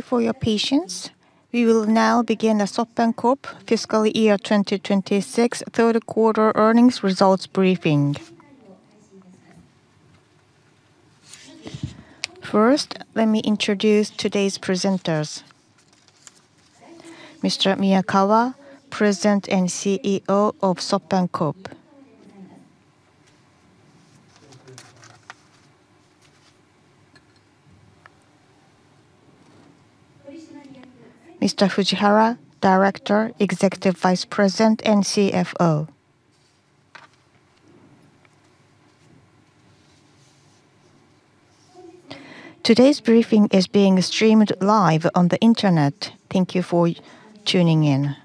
Thank you for your patience. We will now begin the SoftBank Corp fiscal year 2026 third quarter earnings results briefing. First, let me introduce today's presenters. Mr. Miyakawa, President and CEO of SoftBank Corp. Mr. Fujihara, Director, Executive Vice President, and CFO. Today's briefing is being streamed live on the internet. Thank you for tuning in.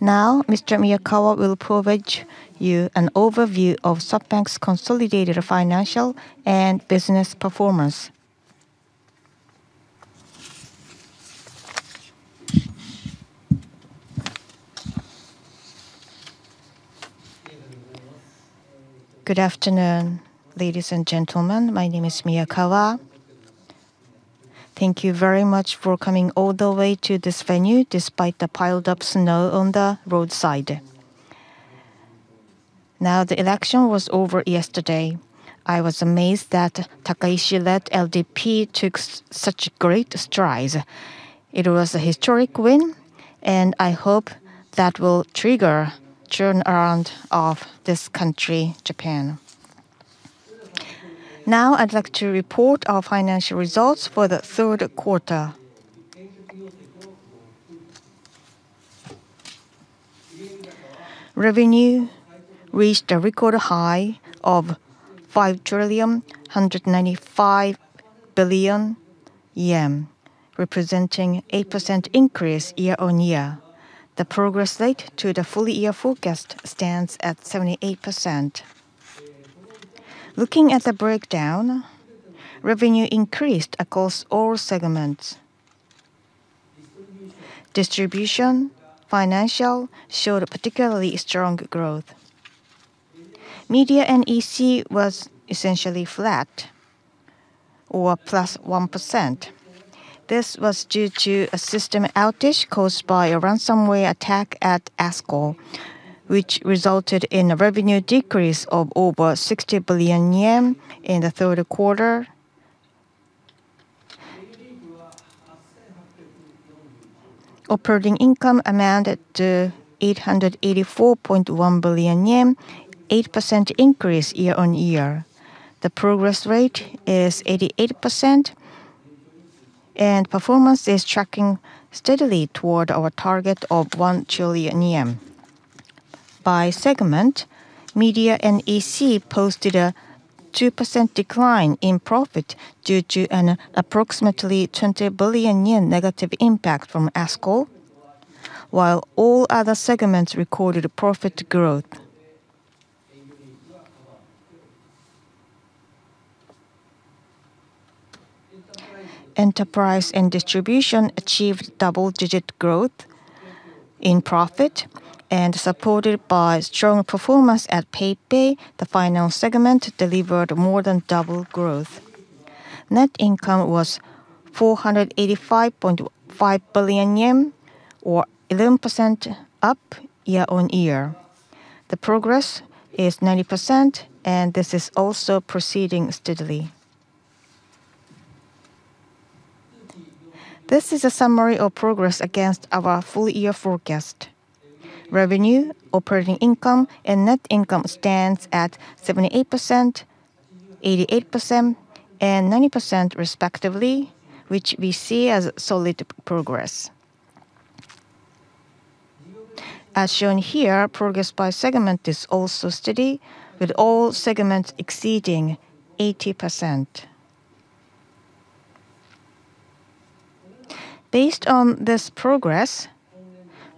Now, Mr. Miyakawa will provide you an overview of SoftBank's consolidated financial and business performance. Good afternoon, ladies and gentlemen, my name is Miyakawa. Thank you very much for coming all the way to this venue, despite the piled up snow on the roadside. Now, the election was over yesterday. I was amazed that Takaichi-led LDP took such great strides. It was a historic win, and I hope that will trigger turnaround of this country, Japan. Now, I'd like to report our financial results for the third quarter. Revenue reached a record high of 5,195 billion yen, representing 8% increase year-on-year. The progress rate to the full year forecast stands at 78%. Looking at the breakdown, revenue increased across all segments. Distribution, financial, showed a particularly strong growth. Media and EC was essentially flat or +1%. This was due to a system outage caused by a ransomware attack at ASKUL, which resulted in a revenue decrease of over 60 billion yen in the third quarter. Operating income amounted to 884.1 billion yen, 8% increase year-on-year. The progress rate is 88%, and performance is tracking steadily toward our target of 1 trillion yen. By segment, media and EC posted a 2% decline in profit due to an approximately 20 billion yen negative impact from ASKUL, while all other segments recorded a profit growth. Enterprise and distribution achieved double-digit growth in profit, and supported by strong performance at PayPay, the finance segment delivered more than double growth. Net income was 485.5 billion yen, or 11% up year-on-year. The progress is 90%, and this is also proceeding steadily. This is a summary of progress against our full year forecast. Revenue, operating income, and net income stands at 78%, 88%, and 90% respectively, which we see as solid progress. As shown here, progress by segment is also steady, with all segments exceeding 80%. Based on this progress,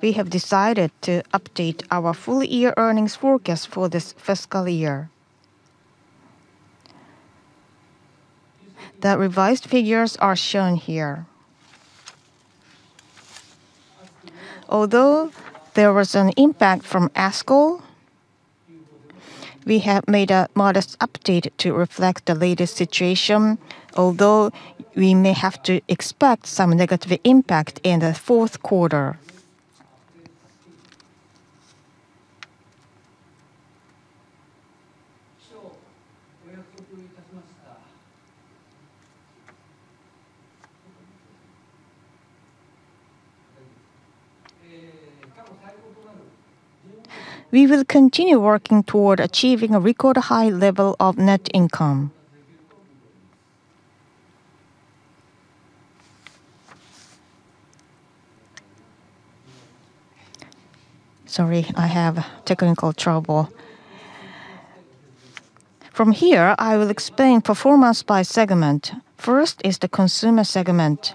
we have decided to update our full year earnings forecast for this fiscal year. The revised figures are shown here. Although there was an impact from ASKUL, we have made a modest update to reflect the latest situation, although we may have to expect some negative impact in the fourth quarter. We will continue working toward achieving a record high level of net income. Sorry, I have technical trouble. From here, I will explain performance by segment. First is the consumer segment.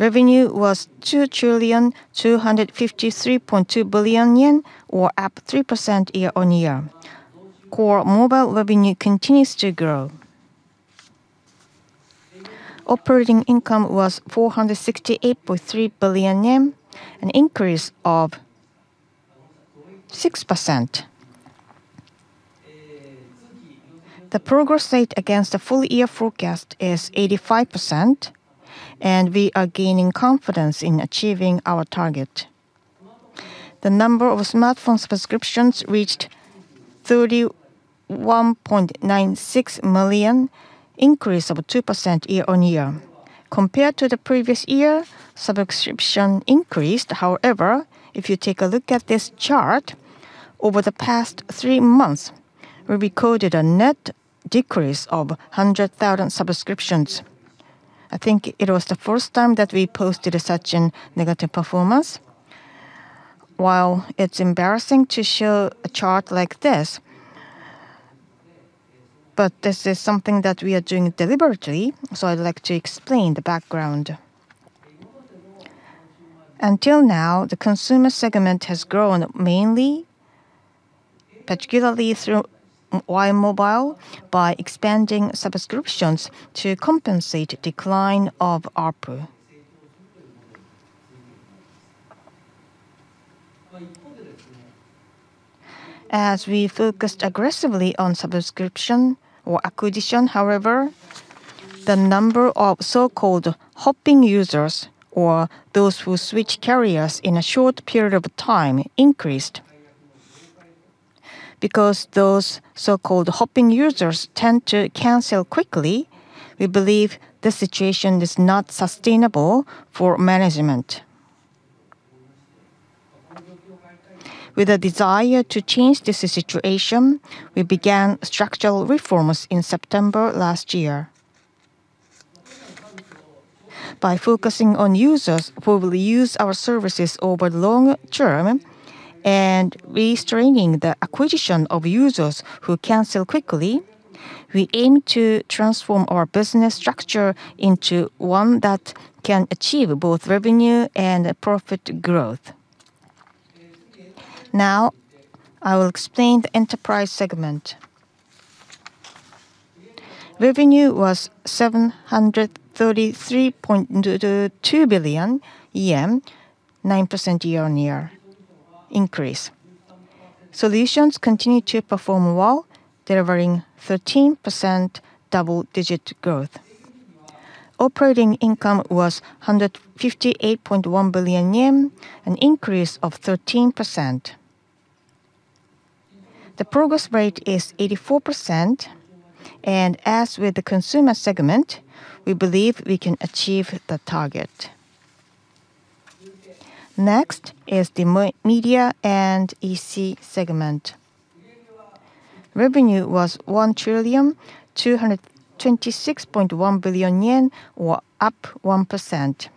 Revenue was 2,253.2 billion yen, or up 3% year-on-year. Core mobile revenue continues to grow. Operating income was 468.3 billion yen, an increase of 6%. The progress rate against the full year forecast is 85%, and we are gaining confidence in achieving our target. The number of smartphones subscriptions reached 31.96 million, an increase of 2% year-on-year. Compared to the previous year, subscription increased. However, if you take a look at this chart, over the past three months, we recorded a net decrease of 100,000 subscriptions. I think it was the first time that we posted such a negative performance. While it's embarrassing to show a chart like this, but this is something that we are doing deliberately, so I'd like to explain the background. Until now, the consumer segment has grown mainly, particularly through Y!mobile, by expanding subscriptions to compensate decline of ARPU. As we focused aggressively on subscription or acquisition, however, the number of so-called hopping users, or those who switch carriers in a short period of time, increased. Because those so-called hopping users tend to cancel quickly, we believe the situation is not sustainable for management. With a desire to change this situation, we began structural reforms in September last year. By focusing on users who will use our services over the long term and restraining the acquisition of users who cancel quickly, we aim to transform our business structure into one that can achieve both revenue and profit growth. Now, I will explain the enterprise segment. Revenue was 733.2 billion yen, 9% year-on-year increase. Solutions continued to perform well, delivering 13% double-digit growth. Operating income was 158.1 billion yen, an increase of 13%. The progress rate is 84%, and as with the consumer segment, we believe we can achieve the target. Next is the Media and EC segment. Revenue was 1,226.1 billion yen, or up 1%.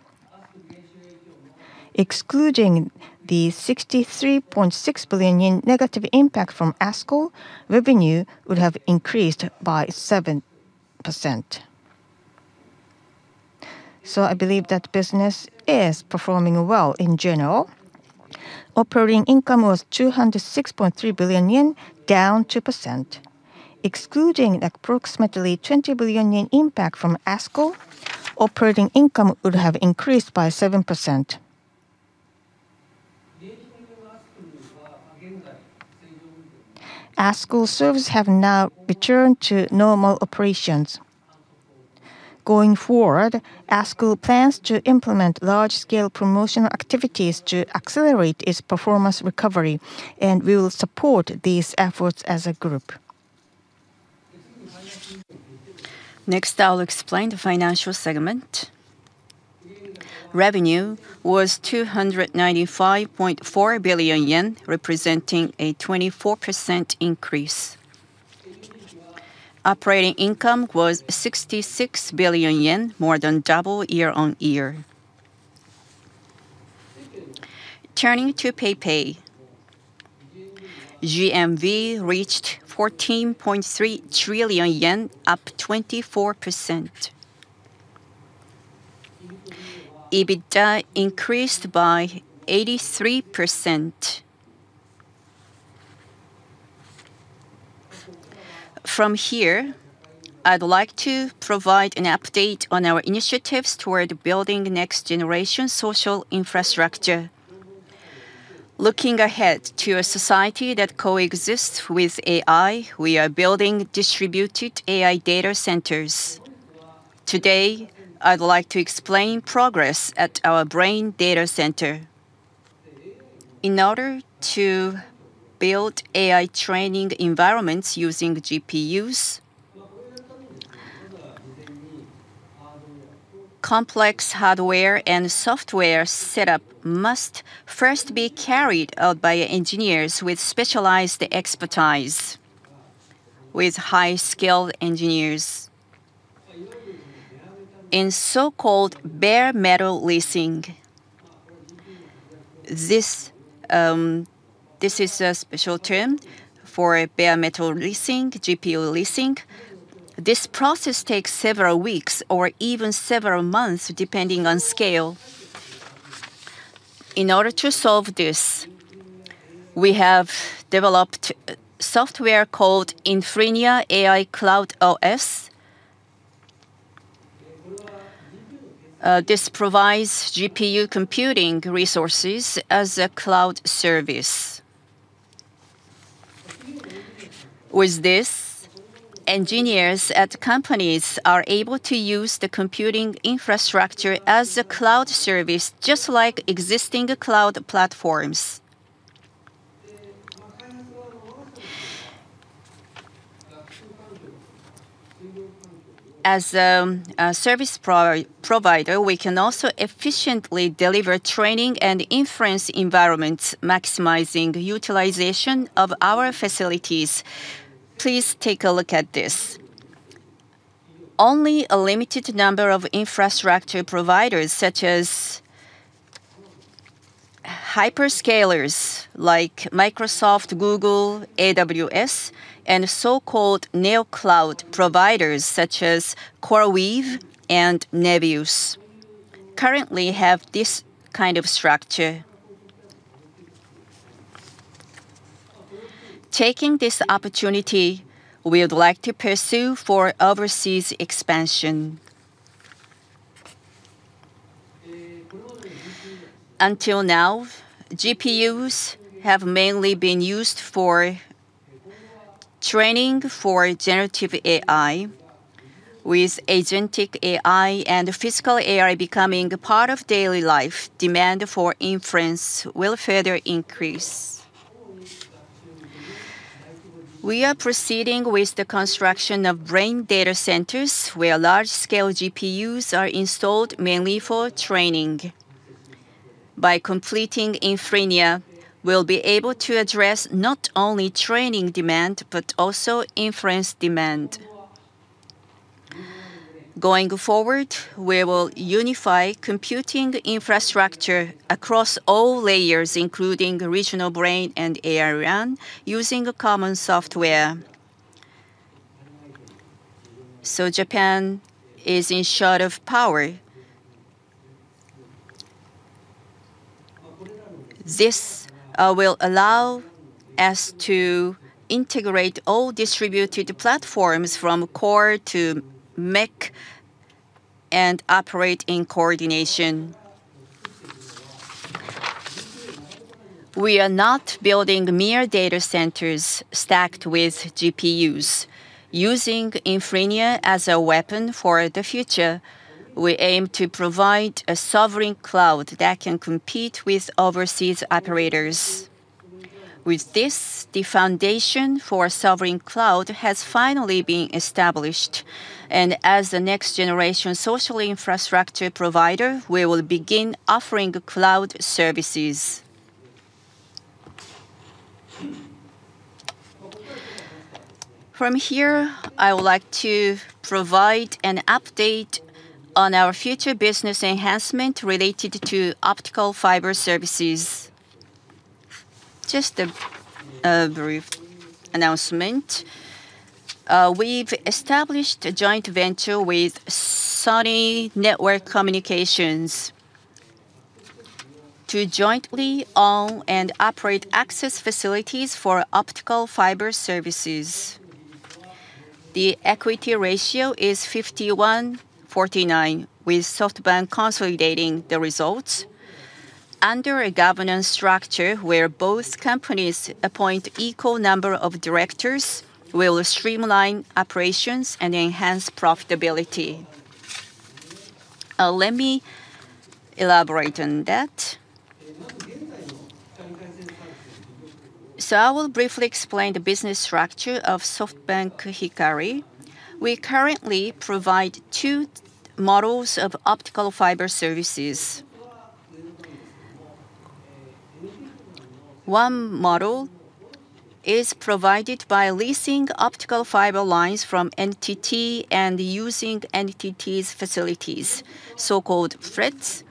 Excluding the 63.6 billion yen negative impact from ASKUL, revenue would have increased by 7%. So I believe that business is performing well in general. Operating income was 206.3 billion yen, down 2%. Excluding approximately 20 billion yen impact from ASKUL, operating income would have increased by 7%. ASKUL services have now returned to normal operations. Going forward, ASKUL plans to implement large-scale promotional activities to accelerate its performance recovery, and we will support these efforts as a group. Next, I'll explain the financial segment. Revenue was 295.4 billion yen, representing a 24% increase. Operating income was 66 billion yen, more than double year-on-year. Turning to PayPay, GMV reached 14.3 trillion yen, up 24%. EBITDA increased by 83%. From here, I'd like to provide an update on our initiatives toward building next-generation social infrastructure. Looking ahead to a society that coexists with AI, we are building distributed AI data centers. Today, I'd like to explain progress at our Brain Data Center. In order to build AI training environments using GPUs, complex hardware and software setup must first be carried out by engineers with specialized expertise, with high-skilled engineers. In so-called bare metal leasing, this is a special term for bare metal leasing, GPU leasing. This process takes several weeks or even several months, depending on scale. In order to solve this, we have developed software called Infinia AI Cloud OS. This provides GPU computing resources as a cloud service. With this, engineers at companies are able to use the computing infrastructure as a cloud service, just like existing cloud platforms. As a service provider, we can also efficiently deliver training and inference environments, maximizing utilization of our facilities. Please take a look at this. Only a limited number of infrastructure providers, such as hyperscalers like Microsoft, Google, AWS, and so-called neo cloud providers, such as CoreWeave and Nebius, currently have this kind of structure. Taking this opportunity, we would like to pursue for overseas expansion. Until now, GPUs have mainly been used for training for generative AI. With agentic AI and physical AI becoming a part of daily life, demand for inference will further increase. We are proceeding with the construction of brain data centers, where large-scale GPUs are installed mainly for training. By completing Infinia, we'll be able to address not only training demand, but also inference demand. Going forward, we will unify computing infrastructure across all layers, including regional brain and AI RAN, using a common software. So Japan is in short of power. This will allow us to integrate all distributed platforms from core to MEC, and operate in coordination. We are not building mere data centers stacked with GPUs. Using Infinia as a weapon for the future, we aim to provide a sovereign cloud that can compete with overseas operators. With this, the foundation for sovereign cloud has finally been established, and as the next generation social infrastructure provider, we will begin offering cloud services. From here, I would like to provide an update on our future business enhancement related to optical fiber services. Just a brief announcement. We've established a joint venture with Sony Network Communications to jointly own and operate access facilities for optical fiber services. The equity ratio is 51-49, with SoftBank consolidating the results. Under a governance structure where both companies appoint equal number of directors, we will streamline operations and enhance profitability. Let me elaborate on that. I will briefly explain the business structure of SoftBank Hikari. We currently provide two models of optical fiber services. One model is provided by leasing optical fiber lines from NTT and using NTT's facilities, so-called FLET'S.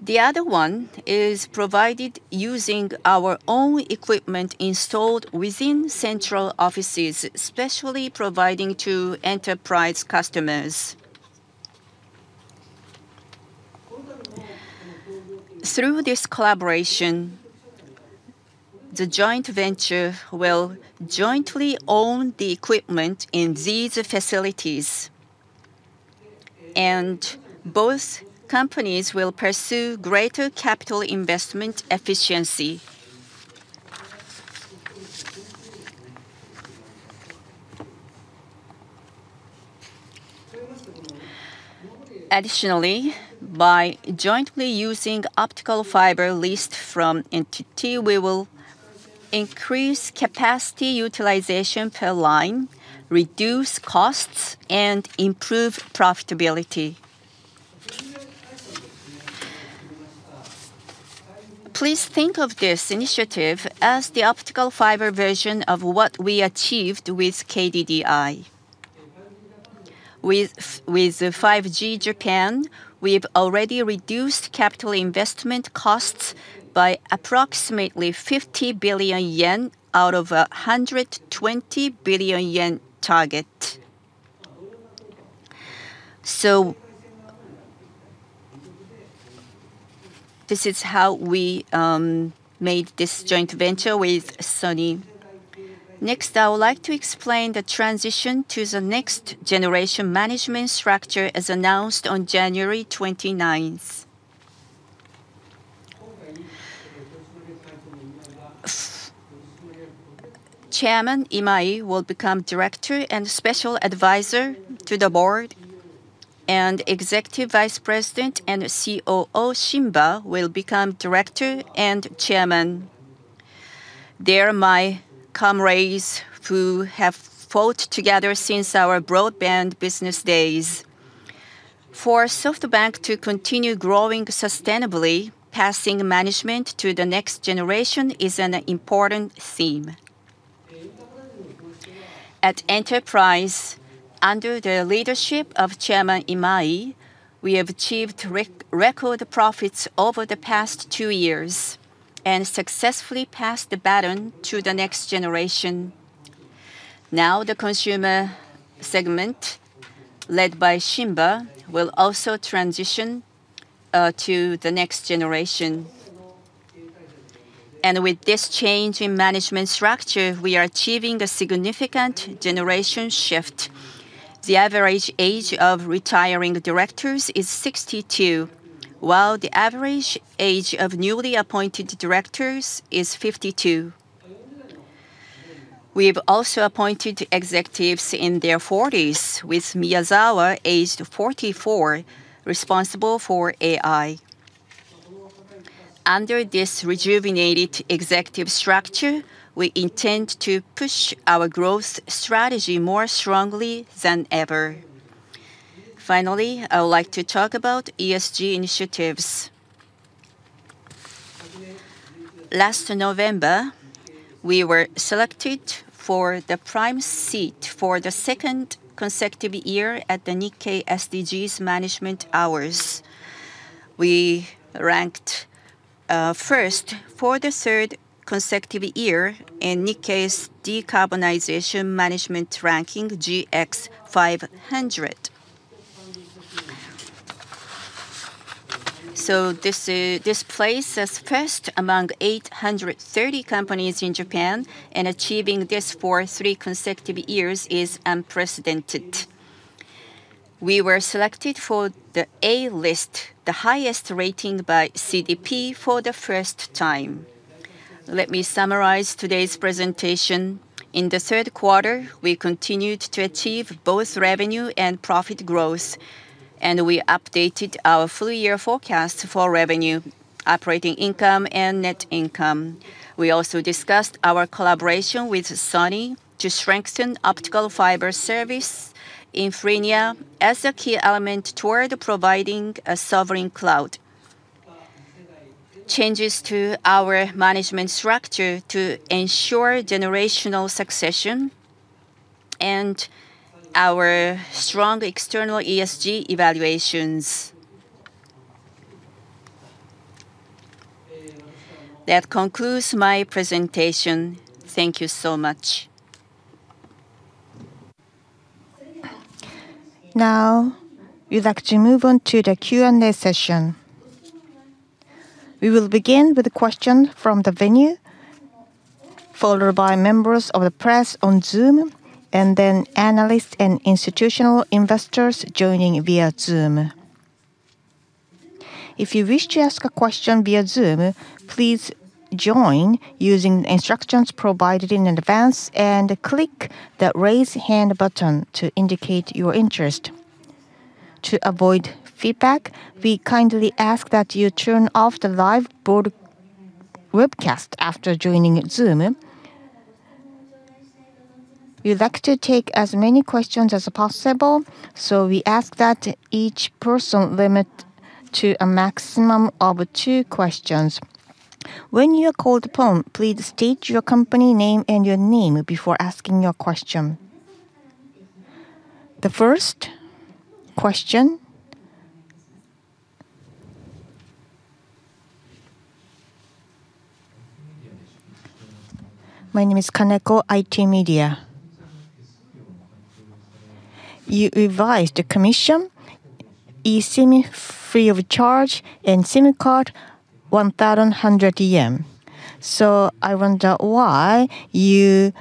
The other one is provided using our own equipment installed within central offices, especially providing to enterprise customers. Through this collaboration, the joint venture will jointly own the equipment in these facilities, and both companies will pursue greater capital investment efficiency. Additionally, by jointly using optical fiber leased from NTT, we will increase capacity utilization per line, reduce costs, and improve profitability. Please think of this initiative as the optical fiber version of what we achieved with KDDI. With 5G Japan, we've already reduced capital investment costs by approximately 50 billion yen, out of a 120 billion yen target. So this is how we made this joint venture with Sony. Next, I would like to explain the transition to the next generation management structure, as announced on January 29th. Chairman Imai will become director and special advisor to the board, and Executive Vice President and COO Shimba will become director and chairman. They are my comrades who have fought together since our broadband business days. For SoftBank to continue growing sustainably, passing management to the next generation is an important theme. At Enterprise, under the leadership of Chairman Imai, we have achieved record profits over the past two years, and successfully passed the baton to the next generation. Now, the consumer segment, led by Shimba, will also transition to the next generation. With this change in management structure, we are achieving a significant generation shift. The average age of retiring directors is 62, while the average age of newly appointed directors is 52. We've also appointed executives in their forties, with Miyazawa, aged 44, responsible for AI. Under this rejuvenated executive structure, we intend to push our growth strategy more strongly than ever. Finally, I would like to talk about ESG initiatives. Last November, we were selected for the prime seat for the second consecutive year at the Nikkei SDGs Management Survey. We ranked first for the third consecutive year in Nikkei's Decarbonization Management ranking, GX 500. So this, this places us first among 830 companies in Japan, and achieving this for three consecutive years is unprecedented. We were selected for the A list, the highest rating by CDP, for the first time. Let me summarize today's presentation. In the third quarter, we continued to achieve both revenue and profit growth, and we updated our full-year forecast for revenue, operating income, and net income. We also discussed our collaboration with Sony to strengthen optical fiber service, Infinia, as a key element toward providing a Sovereign Cloud. Changes to our management structure to ensure generational succession, and our strong external ESG evaluations. That concludes my presentation. Thank you so much. Now, we'd like to move on to the Q&A session. We will begin with a question from the venue, followed by members of the press on Zoom, and then analysts and institutional investors joining via Zoom. If you wish to ask a question via Zoom, please join using the instructions provided in advance, and click the Raise Hand button to indicate your interest. To avoid feedback, we kindly ask that you turn off the live board webcast after joining Zoom. We'd like to take as many questions as possible, so we ask that each person limit to a maximum of two questions. When you are called upon, please state your company name and your name before asking your question. The first question? My name is Kaneko, ITmedia. You revised the commission, eSIM free of charge, and SIM card, 1,100 yen. So I wonder why you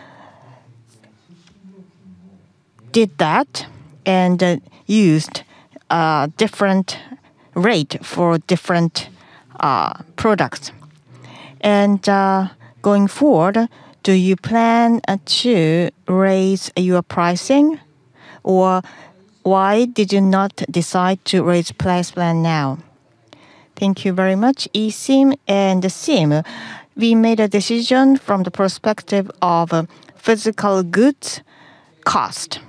did that, and used a different rate for different products? And going forward, do you plan to raise your pricing, or why did you not decide to raise price plan now? Thank you very much. eSIM and the SIM, we made a decision from the perspective of physical goods cost.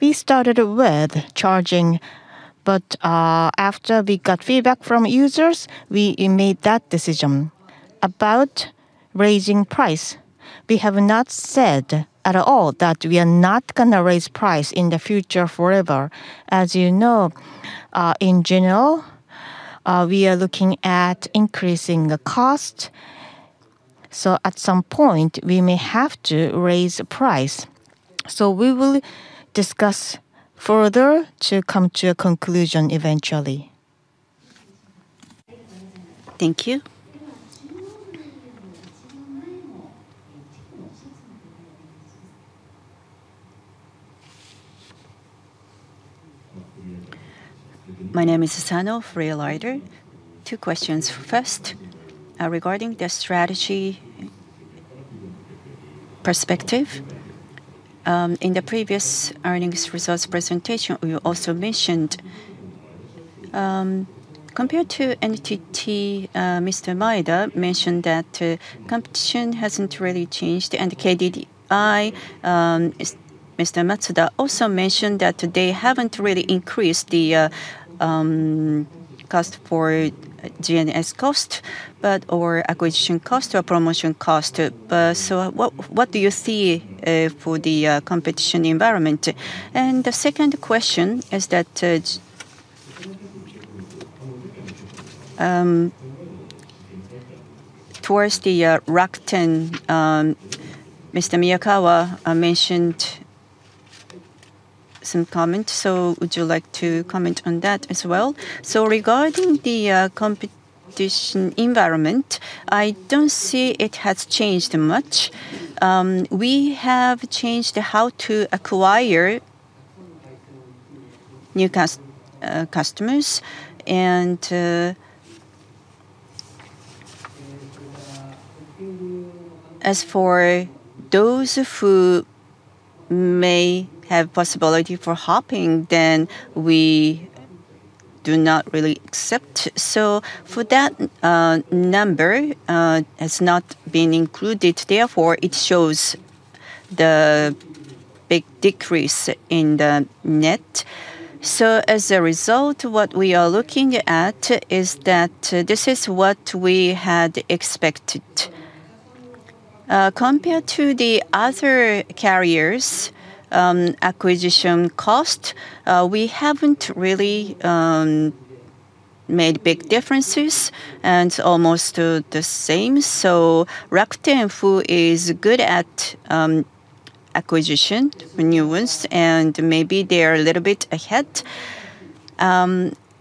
We started with charging, but after we got feedback from users, we made that decision. About raising price, we have not said at all that we are not gonna raise price in the future forever. As you know, in general, we are looking at increasing the cost, so at some point we may have to raise price. So we will discuss further to come to a conclusion eventually. Thank you. My name is Sano, freelance writer. Two questions. First, regarding the strategy perspective, in the previous earnings results presentation, you also mentioned, compared to NTT, Mr. Maeda mentioned that competition hasn't really changed, and KDDI, is Mr. Matsuda also mentioned that they haven't really increased the cost for G&A cost, but or acquisition cost or promotion cost. So what, what do you see for the competition environment? And the second question is that towards the Rakuten, Mr. Miyakawa mentioned some comments. So would you like to comment on that as well? So regarding the competition environment, I don't see it has changed much. We have changed how to acquire new customers. And as for those who may have possibility for hopping, then we do not really accept. So for that number has not been included, therefore, it shows the big decrease in the net. So as a result, what we are looking at is that this is what we had expected. Compared to the other carriers', acquisition cost, we haven't really made big differences, and almost the same. So Rakuten Mobile is good at acquisition, renewals, and maybe they are a little bit ahead.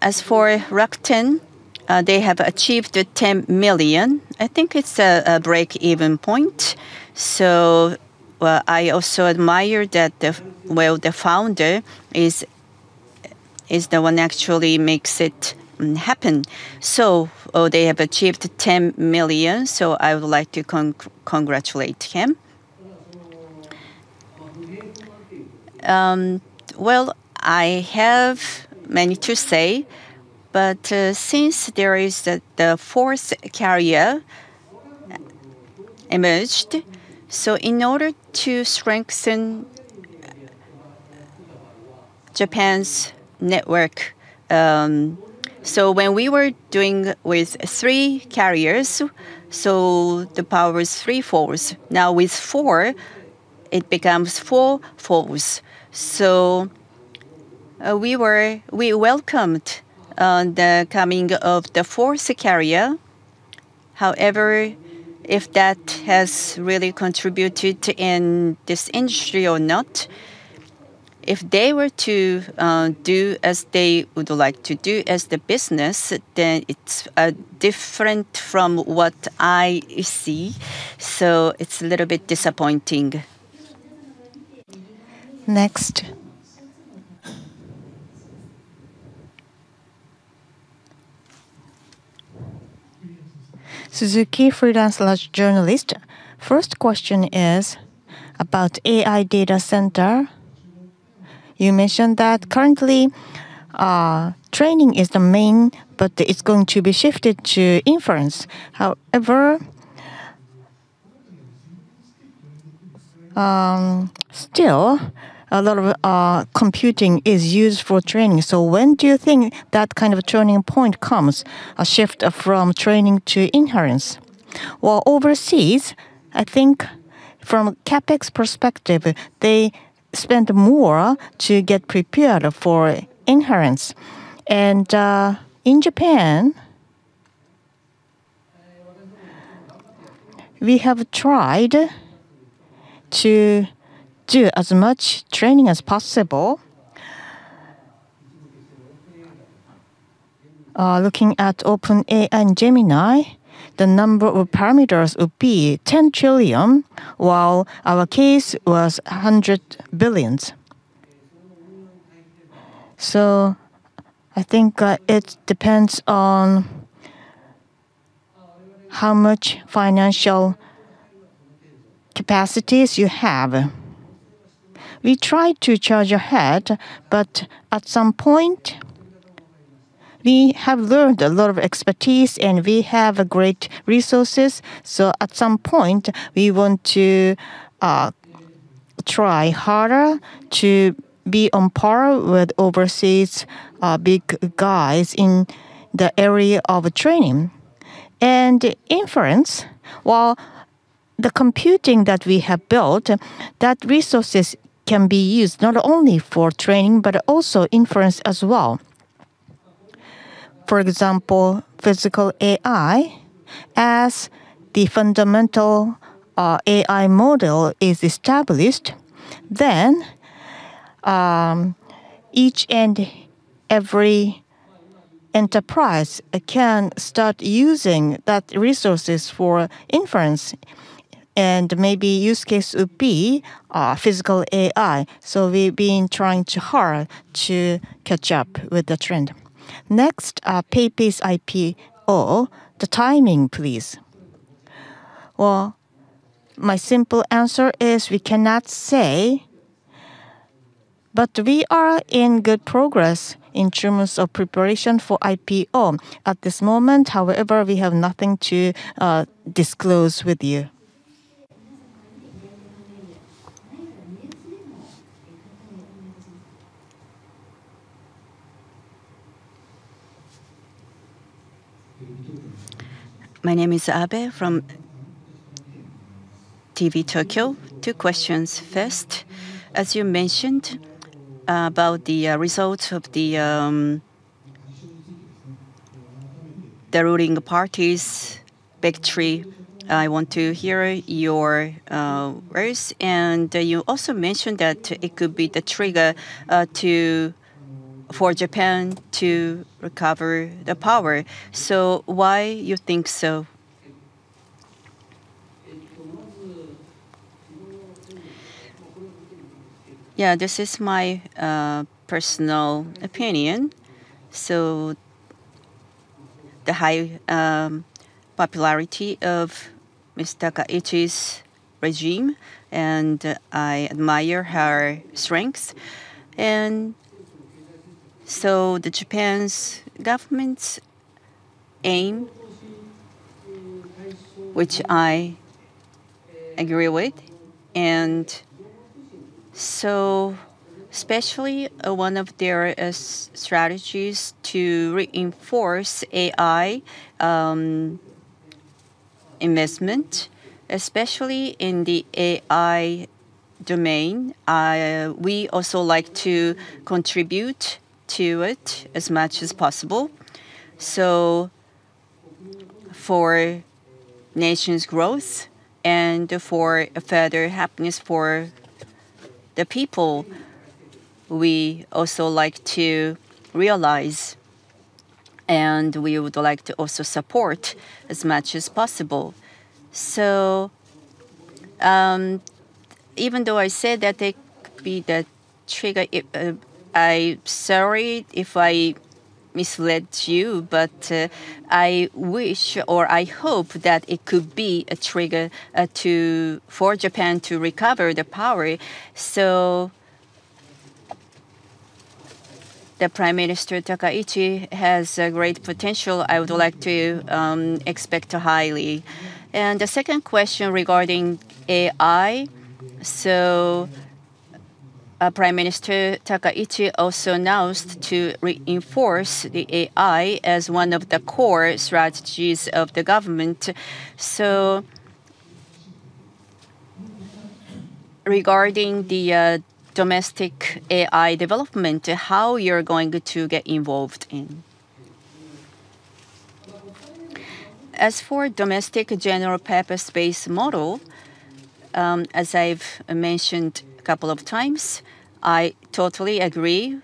As for Rakuten, they have achieved 10 million. I think it's a break-even point. So, well, I also admire that the Well, the founder is the one actually makes it happen. So, they have achieved 10 million, so I would like to congratulate him. Well, I have many to say, but since there is the fourth carrier emerged, so in order to strengthen Japan's network So when we were doing with three carriers, so the power is three-fourths. Now, with four, it becomes four-fourths. So, we welcomed the coming of the fourth carrier. However, if that has really contributed to in this industry or not, if they were to do as they would like to do as the business, then it's different from what I see. So it's a little bit disappointing. Next. Suzuki, freelance journalist. First question is about AI data center. You mentioned that currently, training is the main, but it's going to be shifted to inference. However, still, a lot of computing is used for training. So when do you think that kind of turning point comes, a shift from training to inference? Well, overseas, I think from CapEx perspective, they spend more to get prepared for inference. And in Japan, we have tried to do as much training as possible. Looking at OpenAI Gemini, the number of parameters would be 10 trillion, while our case was 100 billion. So I think it depends on how much financial capacities you have. We try to charge ahead, but at some point, we have learned a lot of expertise, and we have great resources. So at some point, we want to try harder to be on par with overseas big guys in the area of training. And inference, well, the computing that we have built, that resources can be used not only for training, but also inference as well. For example, physical AI. As the fundamental AI model is established, then each and every enterprise can start using that resources for inference, and maybe use case would be physical AI. So we've been trying hard to catch up with the trend. Next, PayPay's IPO, the timing, please. Well, my simple answer is we cannot say, but we are in good progress in terms of preparation for IPO. At this moment, however, we have nothing to disclose with you. My name is Abe from TV Tokyo. Two questions. First, as you mentioned about the results of the ruling party's victory, I want to hear your words. And you also mentioned that it could be the trigger to, for Japan to recover the power. So why you think so? Yeah, this is my personal opinion. So the high popularity of Ms. Takaichi's regime, and I admire her strengths. So the Japan's government's aim, which I agree with, and so especially, one of their strategies to reinforce AI, investment, especially in the AI domain, we also like to contribute to it as much as possible. So for nation's growth and for a further happiness for the people, we also like to realize, and we would like to also support as much as possible. So, even though I said that it could be the trigger, I'm sorry if I misled you, but, I wish or I hope that it could be a trigger, to for Japan to recover the power. So, the Prime Minister Takaichi has a great potential, I would like to expect highly. And the second question regarding AI. Prime Minister Takaichi also announced to reinforce the AI as one of the core strategies of the government. Regarding the domestic AI development, how you're going to get involved in? As for domestic general purpose-based model, as I've mentioned a couple of times, I totally agree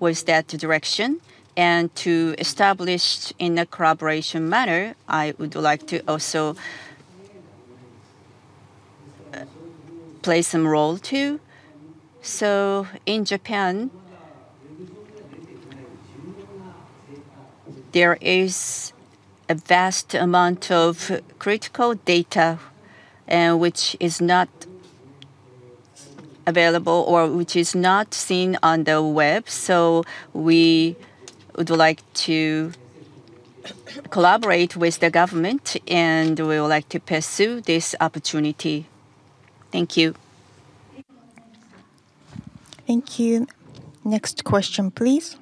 with that direction. And to establish in a collaboration manner, I would like to also play some role, too. In Japan, there is a vast amount of critical data, which is not available or which is not seen on the web, so we would like to collaborate with the government, and we would like to pursue this opportunity. Thank you. Thank you. Next question, please.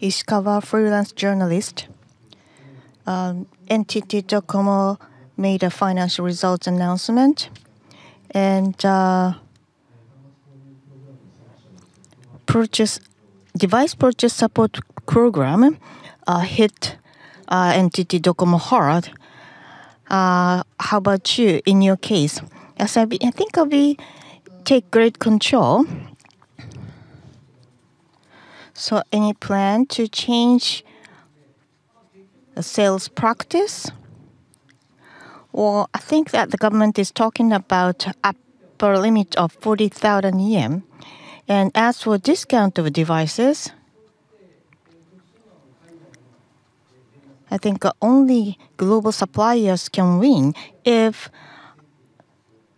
Ishikawa, freelance journalist. NTT Docomo made a financial results announcement, and device purchase support program hit NTT Docomo hard. How about you, in your case? As I think we take great control. So any plan to change the sales practice? Well, I think that the government is talking about upper limit of 40,000 yen. And as for discount of devices, I think only global suppliers can win if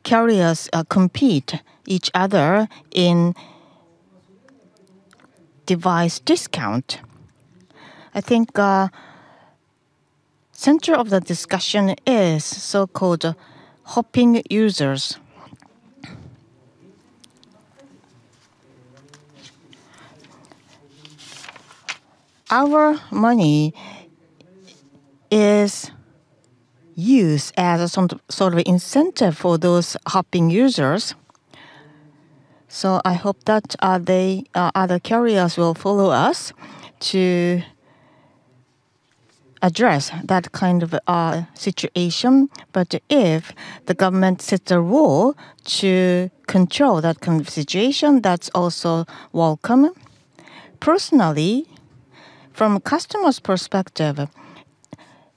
carriers compete each other in device discount. I think center of the discussion is so-called hopping users. Our money is used as a sort of incentive for those hopping users. So I hope that they other carriers will follow us to address that kind of situation. But if the government sets a rule to control that kind of situation, that's also welcome. Personally, from a customer's perspective,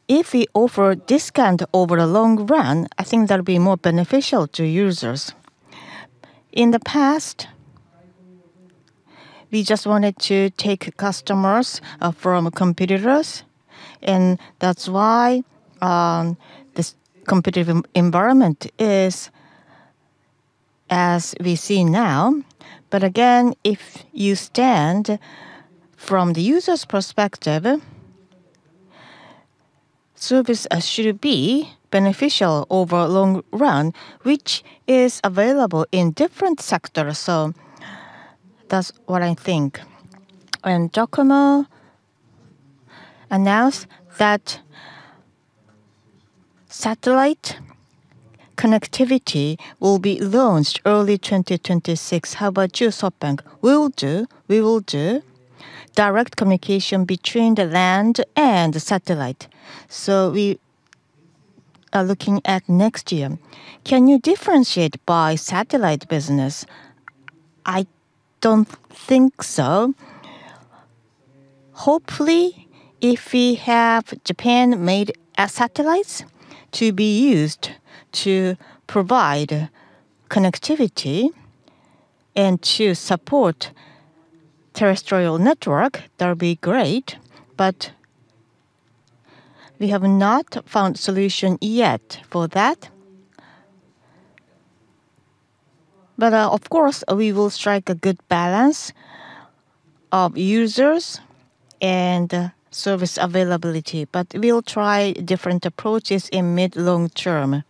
if we offer a discount over the long run, I think that'll be more beneficial to users. In the past, we just wanted to take customers from competitors, and that's why this competitive environment is as we see now. But again, if you stand from the user's perspective, service should be beneficial over a long run, which is available in different sectors. So that's what I think. And Docomo announced that satellite connectivity will be launched early 2026. How about, SoftBank? We will do, we will do direct communication between the land and the satellite, so we are looking at next year. Can you differentiate by satellite business? I don't think so. Hopefully, if we have Japan-made satellites to be used to provide connectivity and to support terrestrial network, that'll be great, but we have not found solution yet for that. But, of course, we will strike a good balance of users and service availability, but we'll try different approaches in mid-long term.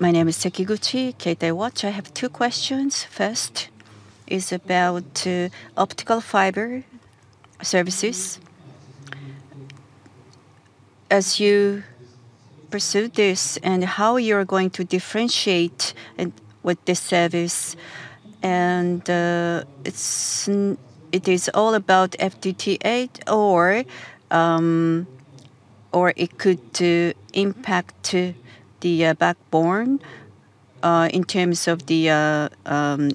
My name is Sekiguchi, Keitai Watch. I have two questions. First is about optical fiber services. As you pursue this, and how you're going to differentiate, and with this service, and, it's It is all about FTTH or, or it could to impact to the, backbone, in terms of the,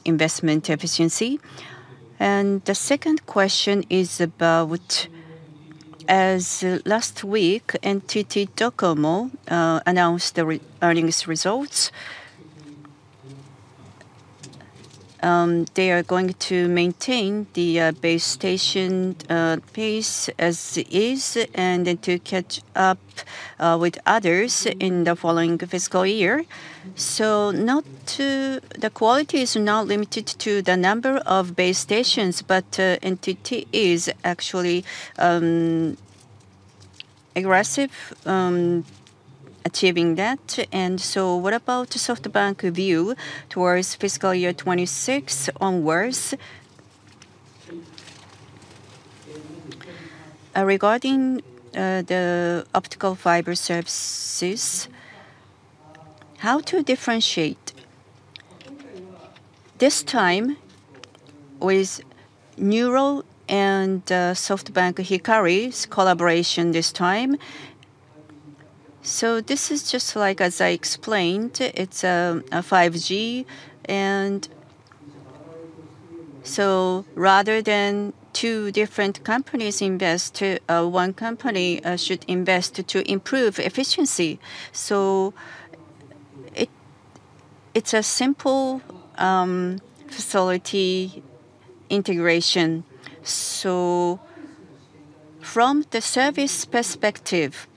investment efficiency. And the second question is about, as last week, NTT Docomo announced their recent earnings results. They are going to maintain the, base station, pace as it is, and then to catch up, with others in the following fiscal year. So not to-- The quality is not limited to the number of base stations, but, NTT is actually, aggressive, achieving that. And so what about SoftBank view towards fiscal year 2026 onwards? Regarding, the optical fiber services, how to differentiate? This time, with NURO and SoftBank Hikari's collaboration this time, so this is just like, as I explained, it's a 5G. And so rather than two different companies invest, one company should invest to improve efficiency. So it, it's a simple facility integration. So from the service perspective,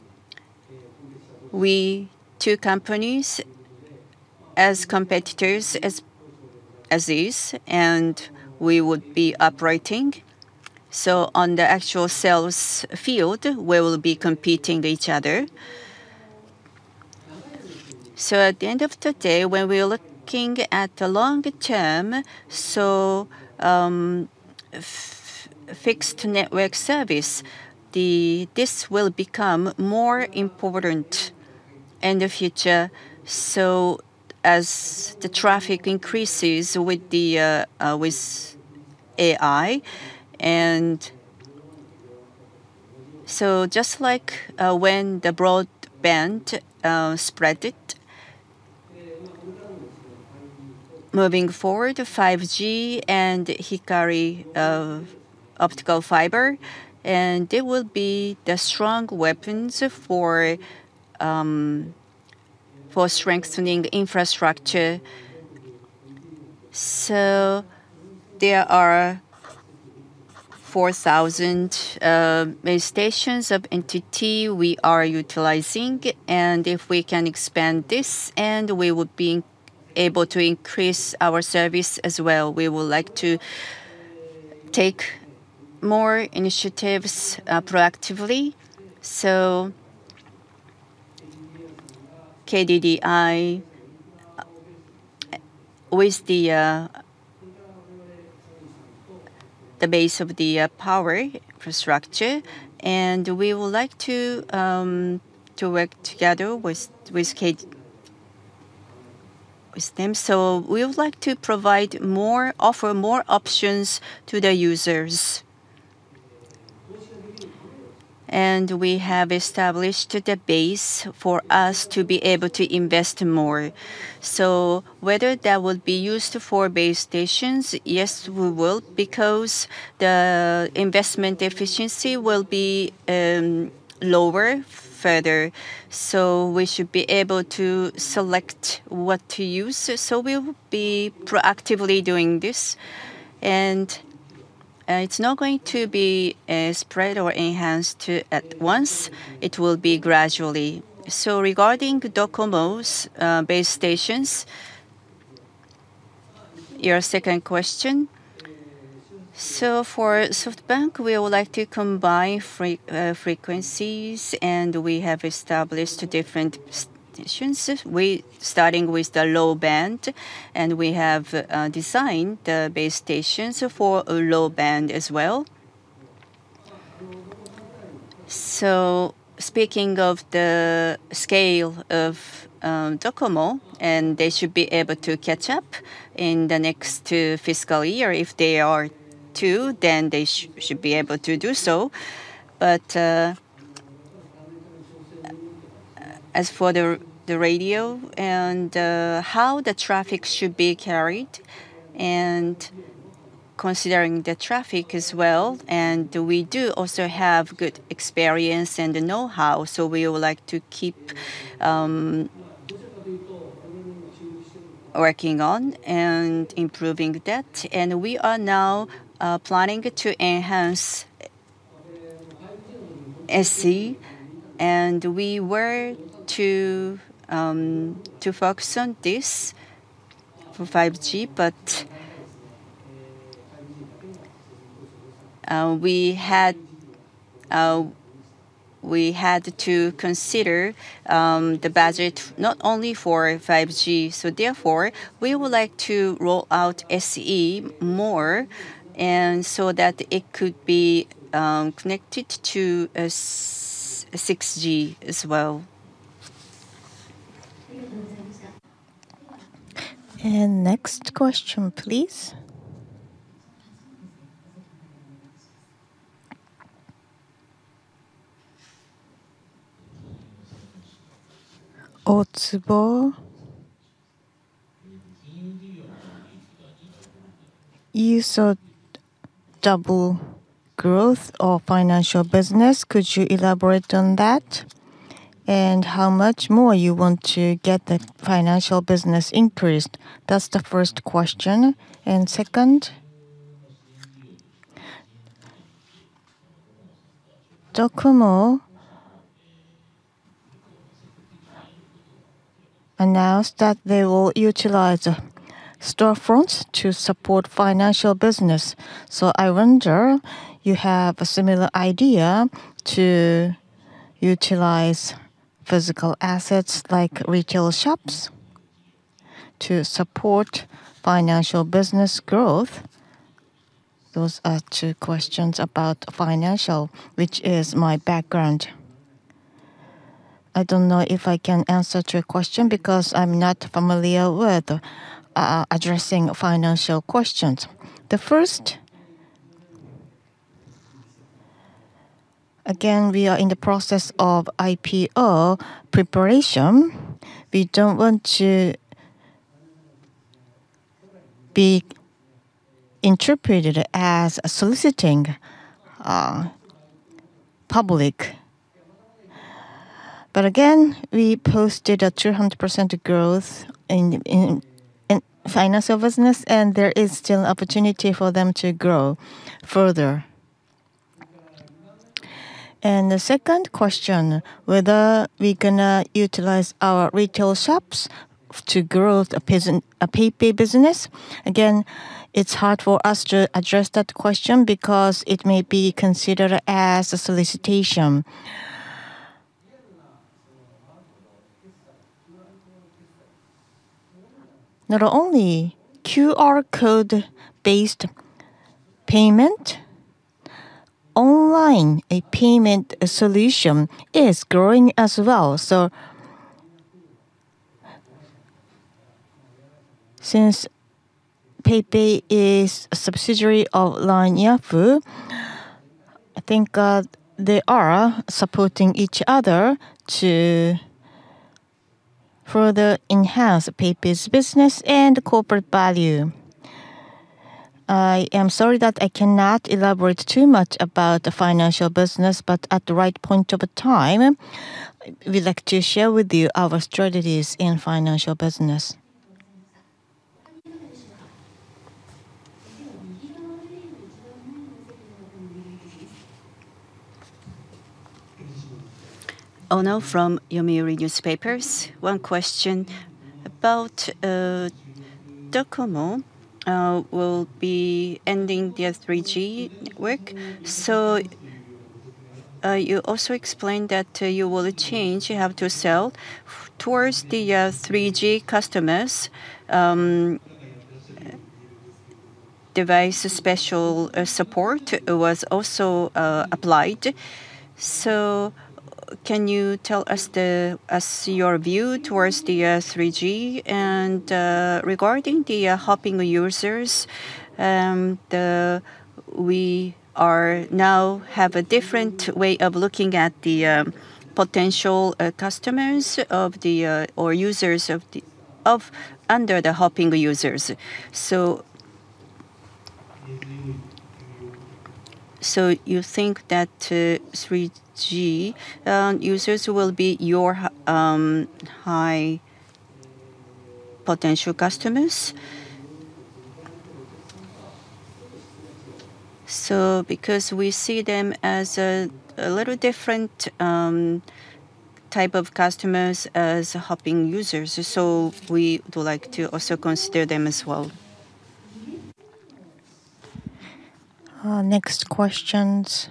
we two companies, as competitors, as is, and we would be operating. So on the actual sales field, we will be competing with each other. So at the end of the day, when we're looking at the long term, fixed network service. This will become more important in the future. So as the traffic increases with AI, and so just like when the broadband spread it, moving forward, 5G and Hikari optical fiber, and they will be the strong weapons for strengthening the infrastructure. So there are 4,000 base stations of NTT we are utilizing, and if we can expand this, and we would be able to increase our service as well. We would like to take more initiatives proactively. So KDDI, with the base of the power infrastructure, and we would like to work together with K with them. So we would like to provide more, offer more options to the users. And we have established the base for us to be able to invest more. So whether that would be used for base stations, yes, we will, because the investment efficiency will be lower, further. So we should be able to select what to use. So we will be proactively doing this, and it's not going to be spread or enhanced at once. It will be gradually. So regarding DOCOMO's base stations, your second question. So for SoftBank, we would like to combine frequencies, and we have established different stations. We starting with the low band, and we have designed the base stations for a low band as well. So speaking of the scale of DOCOMO, and they should be able to catch up in the next two fiscal year. If they are two, then they should be able to do so. But as for the radio and how the traffic should be carried, and considering the traffic as well, and we do also have good experience and the know-how, so we would like to keep working on and improving that. And we are now planning to enhance SE, and we were to to focus on this for 5G, but we had We had to consider the budget not only for 5G, so therefore, we would like to roll out SE more and so that it could be connected to a 6G as well. And next question, please? You saw double growth of financial business. Could you elaborate on that? And how much more you want to get the financial business increased? That's the first question. And second, DOCOMO announced that they will utilize storefronts to support financial business, so I wonder, you have a similar idea to utilize physical assets like retail shops to support financial business growth? Those are two questions about financial, which is my background. I don't know if I can answer three question because I'm not familiar with addressing financial questions. The first, again, we are in the process of IPO preparation. We don't want to be interpreted as soliciting public. But again, we posted a 200% growth in financial business, and there is still an opportunity for them to grow further. And the second question, whether we're gonna utilize our retail shops to grow the business, a PayPay business, again, it's hard for us to address that question because it may be considered as a solicitation. Not only QR code-based payment, online, a payment solution is growing as well. So since PayPay is a subsidiary of LINE Yahoo, I think they are supporting each other to further enhance PayPay's business and corporate value. I am sorry that I cannot elaborate too much about the financial business, but at the right point of time, we'd like to share with you our strategies in financial business. Ono from The Yomiuri Shimbun. One question. About DOCOMO will be ending their 3G network. You also explained that you will change, you have to sell towards the 3G customers. Device special support was also applied. So can you tell us your view towards the 3G? And regarding the hopping users, we are now have a different way of looking at the potential customers or users of the under the hopping users. You think that 3G users will be your high potential customers? So because we see them as a little different type of customers as hopping users, so we would like to also consider them as well. Next questions.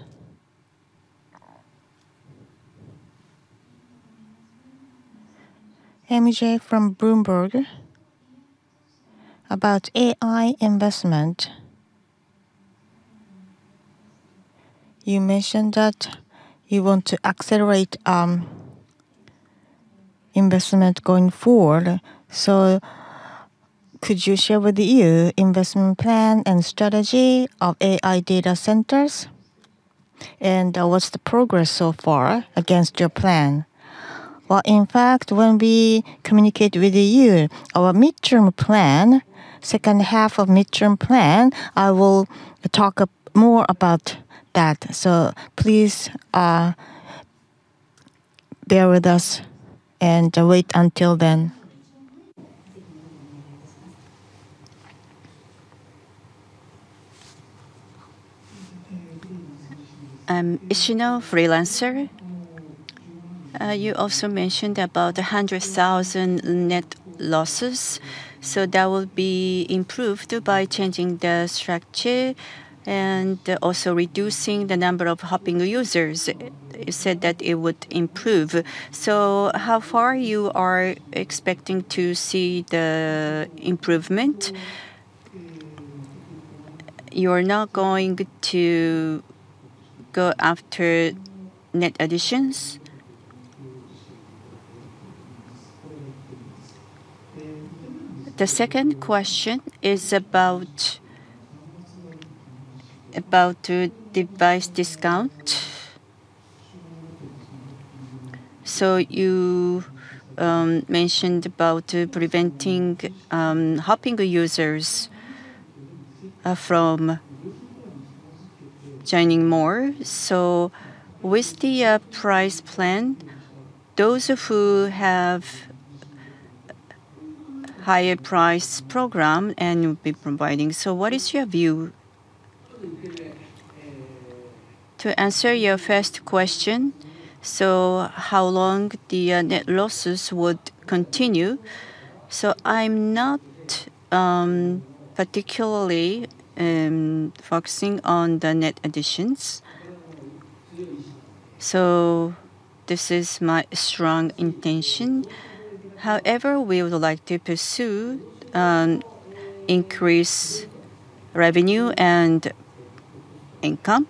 MJ from Bloomberg. About AI investment. You mentioned that you want to accelerate investment going forward, so could you share your investment plan and strategy of AI data centers, and what's the progress so far against your plan? Well, in fact, when we communicate with you our midterm plan, second half of midterm plan, I will talk up more about that. So please, bear with us and wait until then. Ishino, freelancer. You also mentioned about the 100,000 net losses, so that will be improved by changing the structure and also reducing the number of hopping users. You said that it would improve. So how far you are expecting to see the improvement? You're not going to go after net additions? The second question is about device discount. So you mentioned about preventing hopping users from joining more. So with the price plan, those who have higher price program and you'll be providing, so what is your view? To answer your first question, so how long the net losses would continue? So I'm not particularly focusing on the net additions. So this is my strong intention. However, we would like to pursue and increase revenue and income,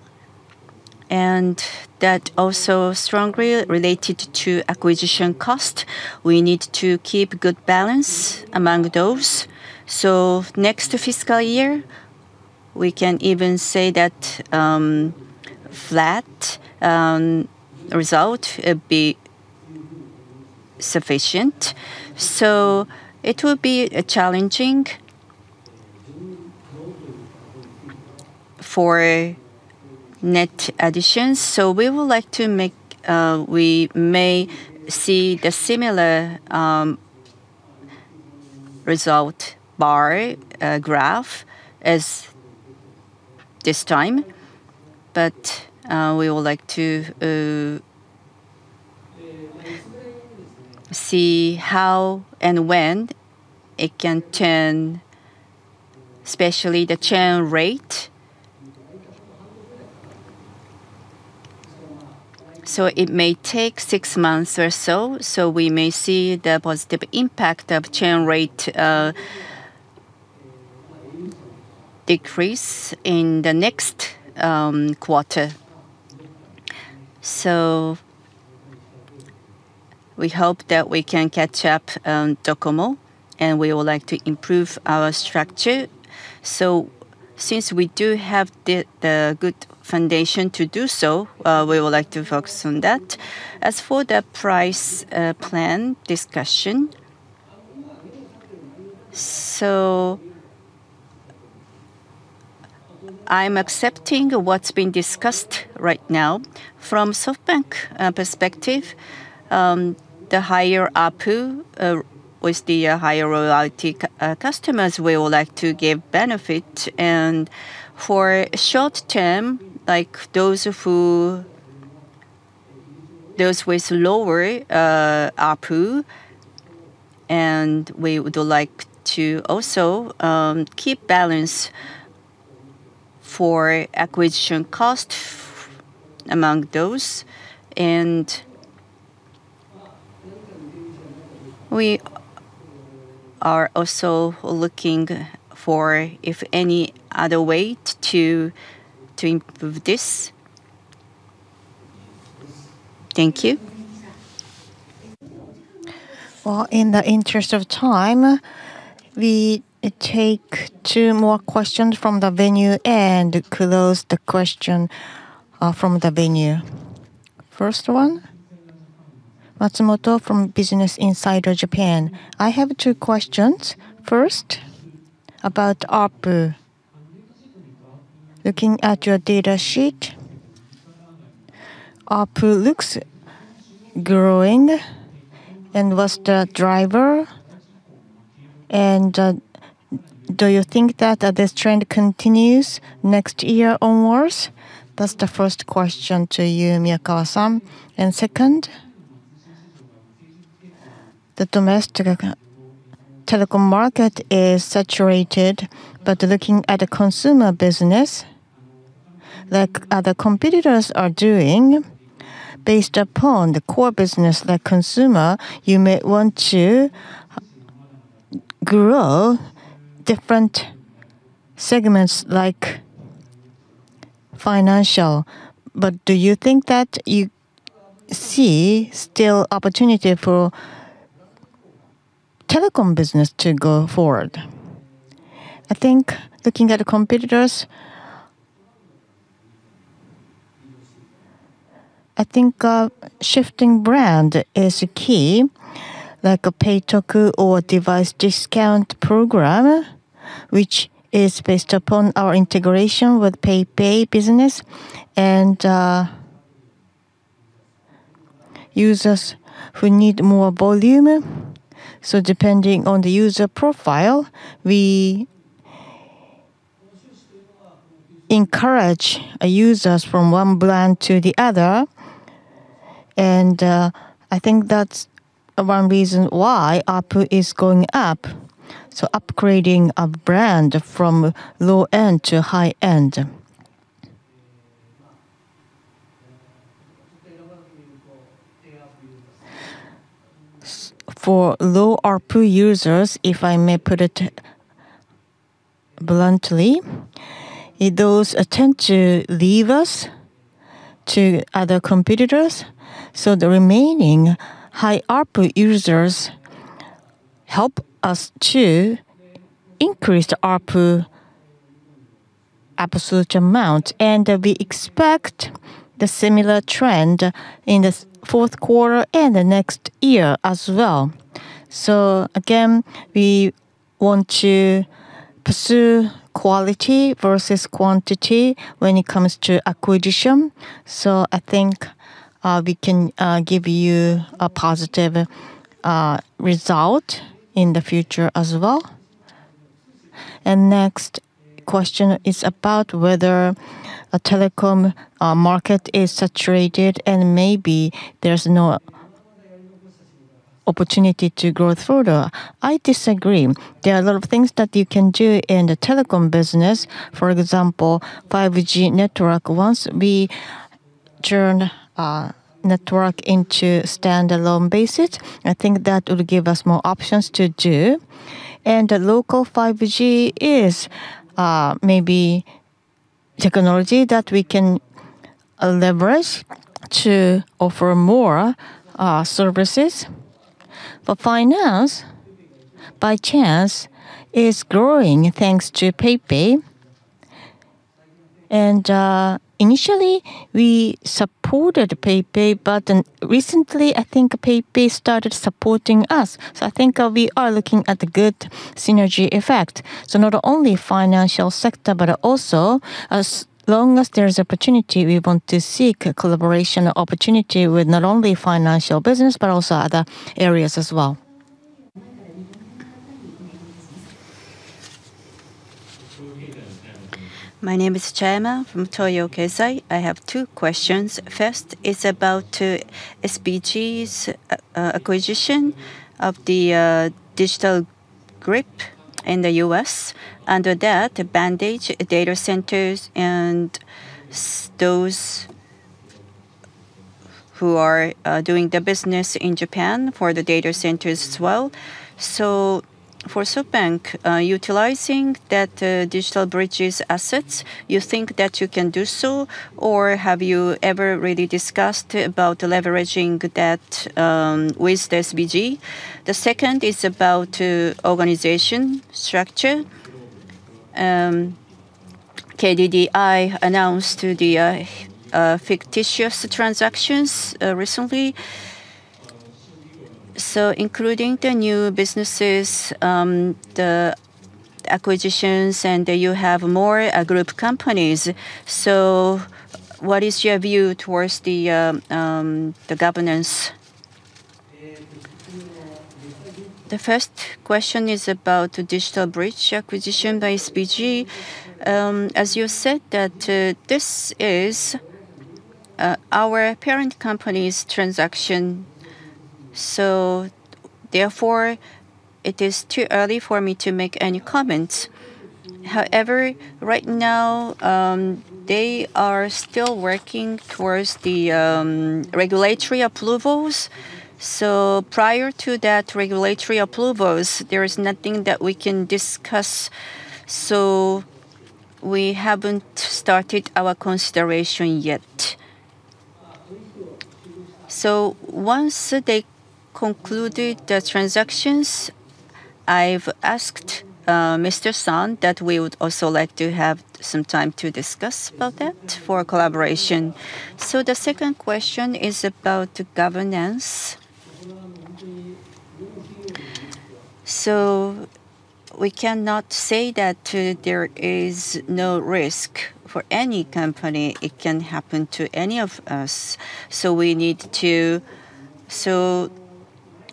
and that also strongly related to acquisition cost. We need to keep good balance among those. So next fiscal year, we can even say that flat result it be sufficient. So it will be challenging for net additions. We may see the similar result bar graph as this time, but we would like to see how and when it can turn, especially the churn rate. So it may take six months or so, so we may see the positive impact of churn rate decrease in the next quarter. So we hope that we can catch up on DOCOMO, and we would like to improve our structure. So since we do have the good foundation to do so, we would like to focus on that. As for the price plan discussion, so I'm accepting what's been discussed right now. From SoftBank perspective, the higher ARPU with the higher loyalty customers, we would like to give benefit. And for short term, like those of who those ways to lower ARPU, and we would like to also keep balance for acquisition cost among those. And we are also looking for, if any other way to improve this. Thank you. Well, in the interest of time, we take two more questions from the venue and close the question from the venue. First one, Matsumoto from Business Insider Japan. I have two questions. First, about ARPU. Looking at your data sheet, ARPU looks growing, and what's the driver? And, do you think that this trend continues next year onwards? That's the first question to you, Miyakawa-san. And second, the domestic telecom market is saturated, but looking at the consumer business, like other competitors are doing, based upon the core business, like consumer, you may want to grow different segments like financial. But do you think that you see still opportunity for telecom business to go forward? I think looking at the competitors, I think, shifting brand is key, like a Pay-tokuor device discount program, which is based upon our integration with PayPay Business, and, users who need more volume. So depending on the user profile, we encourage users from one brand to the other, and, I think that's one reason why ARPU is going up, so upgrading of brand from low-end to high-end. So for low ARPU users, if I may put it bluntly, those tend to leave us to other competitors, so the remaining high ARPU users help us to increase the ARPU absolute amount. And we expect the similar trend in the fourth quarter and the next year as well. So again, we want to pursue quality versus quantity when it comes to acquisition. So I think we can give you a positive result in the future as well. And next question is about whether a telecom market is saturated, and maybe there's no opportunity to grow further. I disagree. There are a lot of things that you can do in the telecom business. For example, 5G network. Once we turn our network into standalone basis, I think that will give us more options to do. And the local 5G is maybe technology that we can leverage to offer more services. But finance, by chance, is growing, thanks to PayPay. And initially, we supported PayPay, but then recently, I think PayPay started supporting us. So I think we are looking at the good synergy effect. So, not only financial sector, but also as long as there is opportunity, we want to seek a collaboration opportunity with not only financial business, but also other areas as well. My name is Zaima from Toyo Keizai. I have two questions. First is about SBG's acquisition of the DigitalBridge in the US, under that, Vantage Data Centers and those who are doing the business in Japan for the data centers as well. So for SoftBank, utilizing that DigitalBridge's assets, you think that you can do so, or have you ever really discussed about leveraging that with the SBG? The second is about organization structure. KDDI announced the fictitious transactions recently. So including the new businesses, the acquisitions, and you have more group companies. So what is your view towards the governance? The first question is about the DigitalBridge acquisition by SBG. As you said, that this is our parent company's transaction, so therefore, it is too early for me to make any comments. However, right now, they are still working towards the regulatory approvals. So prior to that regulatory approvals, there is nothing that we can discuss, so we haven't started our consideration yet. So once they concluded the transactions, I've asked Mr. Son that we would also like to have some time to discuss about that for collaboration. So the second question is about governance. So we cannot say that there is no risk for any company. It can happen to any of us. So we need to So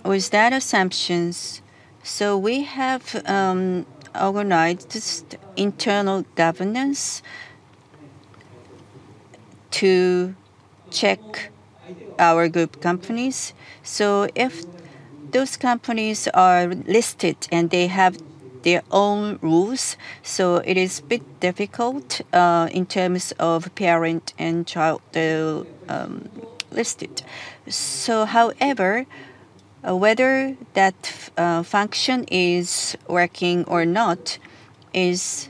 with that assumptions, so we have organized internal governance to check our group companies. So if those companies are listed, and they have their own rules, so it is a bit difficult in terms of parent and child, listed. So however, whether that function is working or not is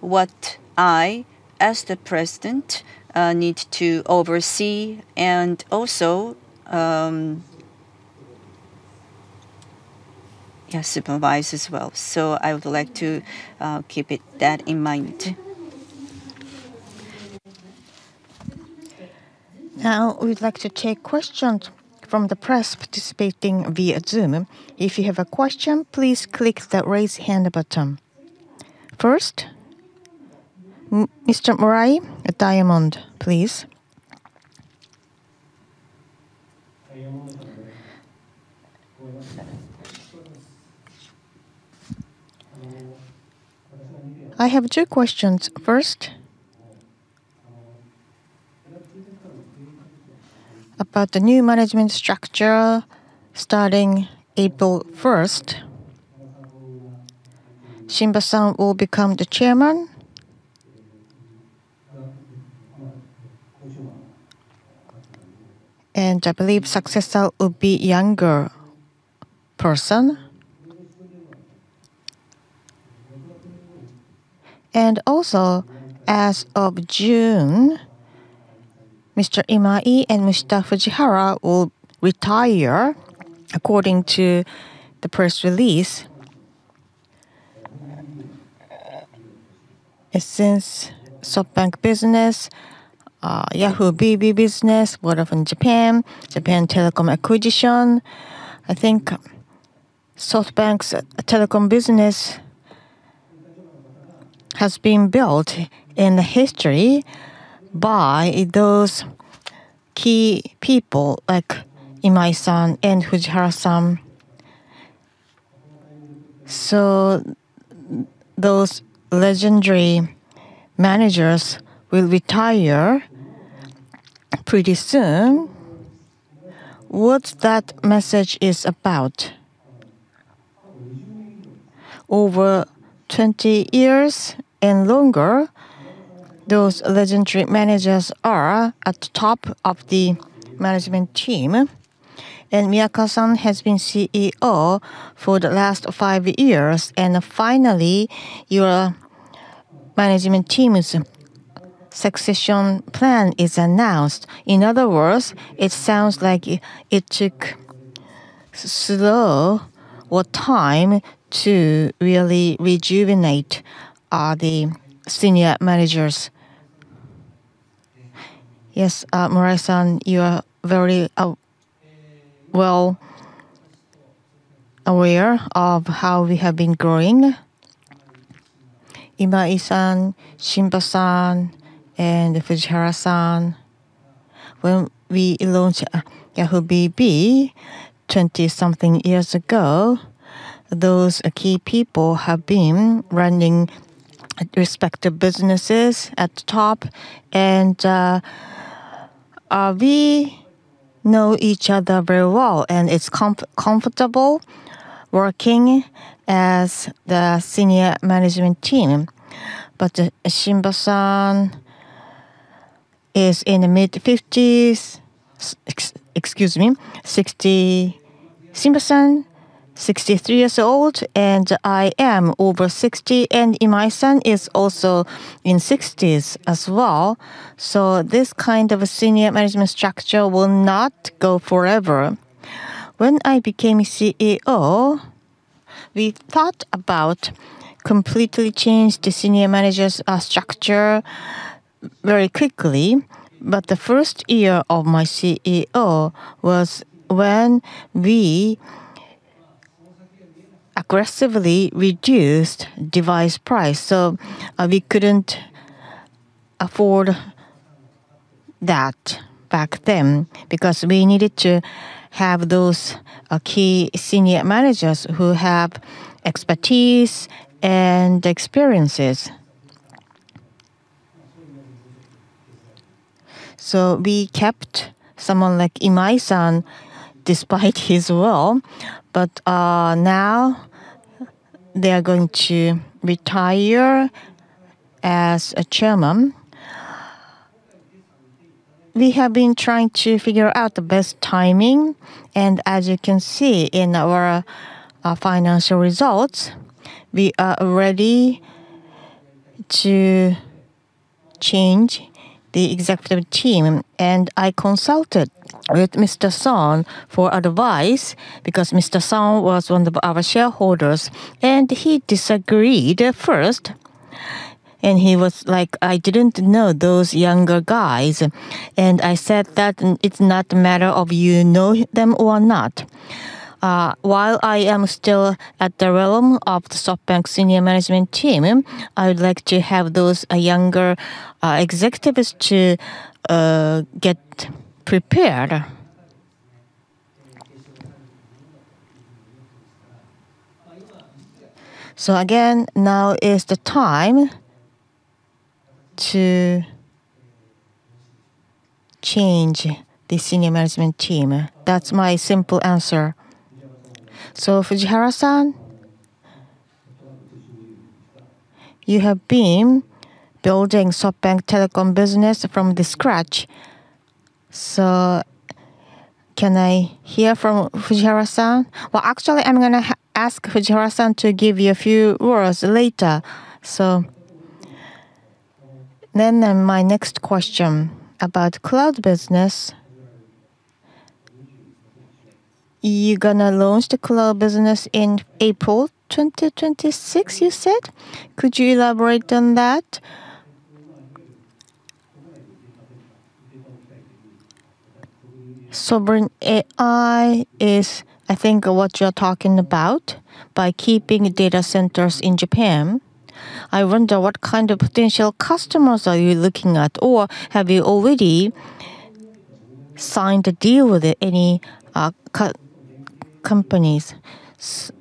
what I, as the President, need to oversee, and also, yeah, supervise as well. So I would like to keep it, that in mind. Now, we'd like to take questions from the press participating via Zoom. If you have a question, please click the Raise Hand button. First, Mr. Murai at Diamond, please. I have two questions. First, about the new management structure starting April 1st. Shimba will become the chairman. And I believe successor will be younger person. And also, as of June, Mr. Imai and Mr. Fujihara will retire, according to the press release. Since SoftBank Business, Yahoo BB business, Vodafone Japan, Japan Telecom acquisition, I think SoftBank's telecom business has been built in the history by those key people, like Imai-san and Fujihara-san. So those legendary managers will retire pretty soon. What that message is about? Over 20 years and longer, those legendary managers are at the top of the management team, and Miyakawa-san has been CEO for the last five years, and finally, your management team's succession plan is announced. In other words, it sounds like it, it took slow or time to really rejuvenate the senior managers. Yes, Murai-san, you are very well aware of how we have been growing. Imai-san, Son-san, and Fujihara-san, when we launched Yahoo BB twenty-something years ago, those key people have been running respective businesses at the top, and we know each other very well, and it's comfortable working as the senior management team. But Son-san is in the mid-fifties. Excuse me, sixty. Son-san, 63 years old, and I am over 60, and Imai-san is also in sixties as well. So this kind of a senior management structure will not go forever. When I became CEO, we thought about completely change the senior manager's structure very quickly, but the first year of my CEO was when we aggressively reduced device price, so we couldn't afford that back then, because we needed to have those, key senior managers who have expertise and experiences. So we kept someone like Imai-san, despite his will, but, now they are going to retire as a chairman. We have been trying to figure out the best timing, and as you can see in our, financial results, we are ready to change the executive team. I consulted with Mr. Son for advice, because Mr. Son was one of our shareholders, and he disagreed at first. He was like: "I didn't know those younger guys." I said that, "It's not a matter of you know them or not. While I am still at the realm of the SoftBank senior management team, I would like to have those younger executives to get prepared." So again, now is the time to change the senior management team. That's my simple answer. So Fujihara-san, you have been building SoftBank telecom business from the scratch. So can I hear from Fujihara-san? Well, actually, I'm gonna ask Fujihara-san to give you a few words later. So then, my next question, about cloud business. You're gonna launch the cloud business in April 2026, you said? Could you elaborate on that? Sovereign AI is, I think, what you're talking about, by keeping data centers in Japan. I wonder, what kind of potential customers are you looking at? Or have you already signed a deal with any companies?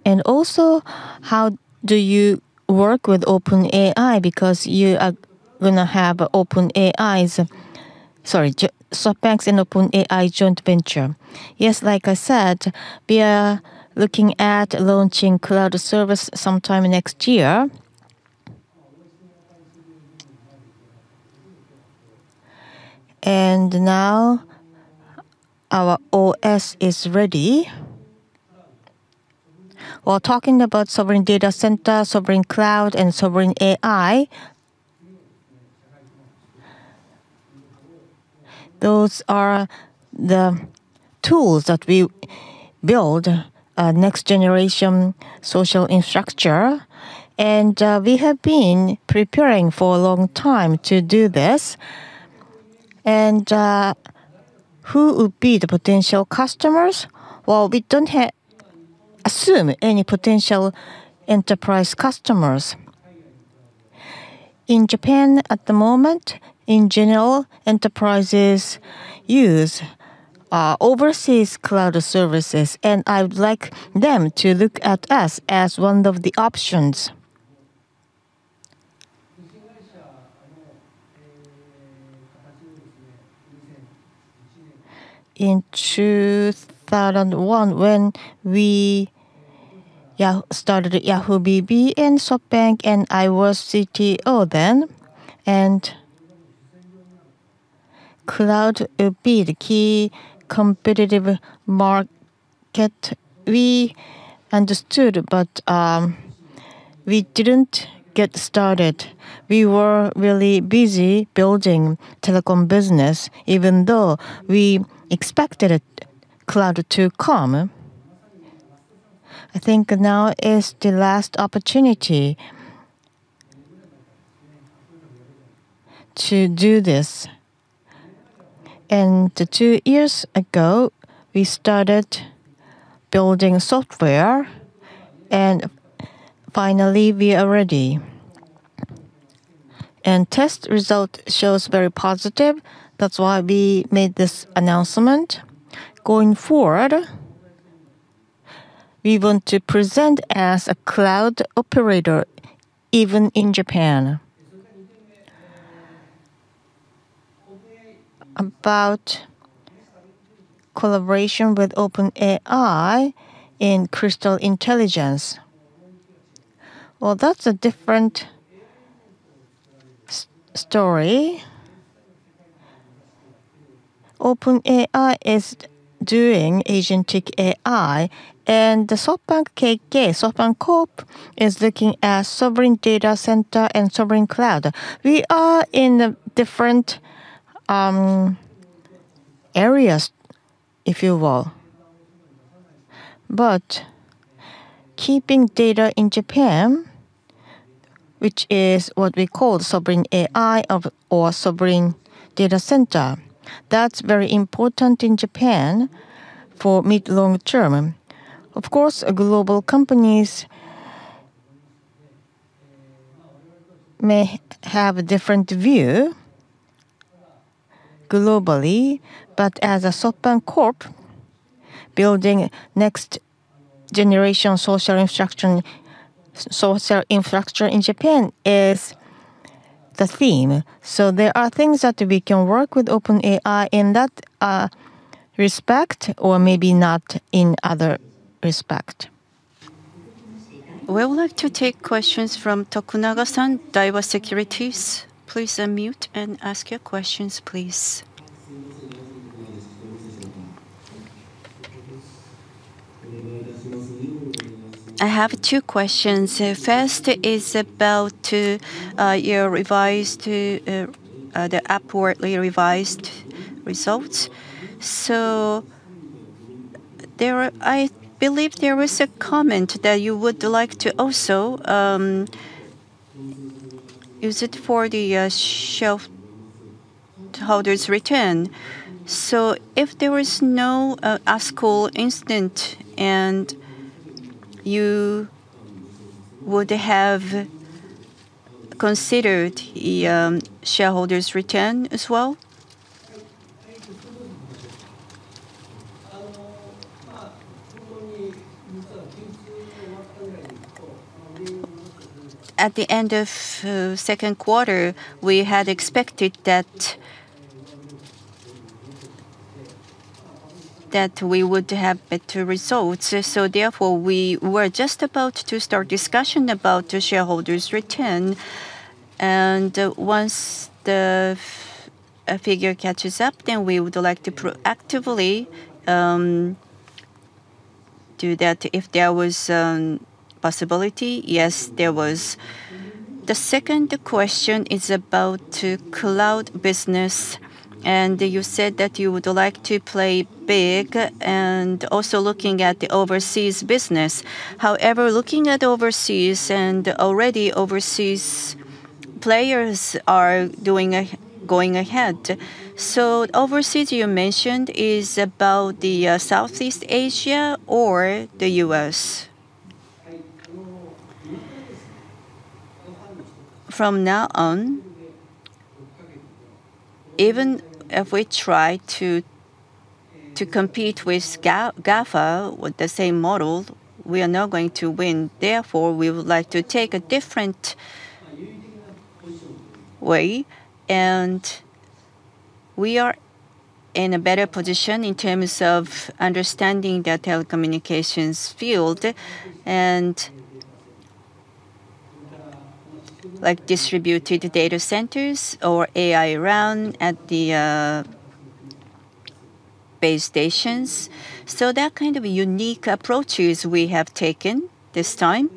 And also, how do you work with OpenAI? Because you are gonna have OpenAI's Sorry, SoftBank's and OpenAI joint venture. Yes, like I said, we are looking at launching cloud service sometime next year. Now, our OS is ready. While talking about sovereign data center, sovereign cloud, and sovereign AI, those are the tools that we build, a next-generation social infrastructure, and we have been preparing for a long time to do this. Who would be the potential customers? Well, we don't assume any potential enterprise customers. In Japan at the moment, in general, enterprises use overseas cloud services, and I would like them to look at us as one of the options. In 2001, when we started Yahoo! BB and SoftBank, and I was CTO then, and cloud would be the key competitive market. We understood, but we didn't get started. We were really busy building telecom business, even though we expected it, cloud to come. I think now is the last opportunity to do this. Two years ago, we started building software, and finally we are ready. Test result shows very positive. That's why we made this announcement. Going forward, we want to present as a cloud operator, even in Japan. About collaboration with OpenAI in Crystal Intelligence. Well, that's a different story. OpenAI is doing agentic AI, and the SoftBank KK, SoftBank Corp, is looking at sovereign data center and sovereign cloud. We are in different areas, if you will. But keeping data in Japan, which is what we call sovereign AI of or sovereign data center, that's very important in Japan for mid-long term. Of course, global companies May have a different view globally, but as a SoftBank Corp, building next generation social infrastructure, social infrastructure in Japan is the theme. So there are things that we can work with OpenAI in that respect, or maybe not in other respect. We would like to take questions from Tokunaga-san, Daiwa Securities. Please unmute and ask your questions, please. I have two questions. So first is about your revised, the upwardly revised results. So there are- I believe there was a comment that you would like to also use it for the shareholder's return. So if there was no ASKUL incident, and you would have considered the shareholders' return as well? At the end of second quarter, we had expected that we would have better results. So therefore, we were just about to start discussion about the shareholders' return, and once the figure catches up, then we would like to proactively do that if there was possibility. The second question is about cloud business, and you said that you would like to play big and also looking at the overseas business. However, looking at overseas, and already overseas players are going ahead. So overseas, you mentioned, is about the Southeast Asia or the US? From now on, even if we try to compete with GAFA with the same model, we are not going to win. Therefore, we would like to take a different way And we are in a better position in terms of understanding the telecommunications field and Like distributed data centers or AI RAN at the base stations. So that kind of unique approaches we have taken this time.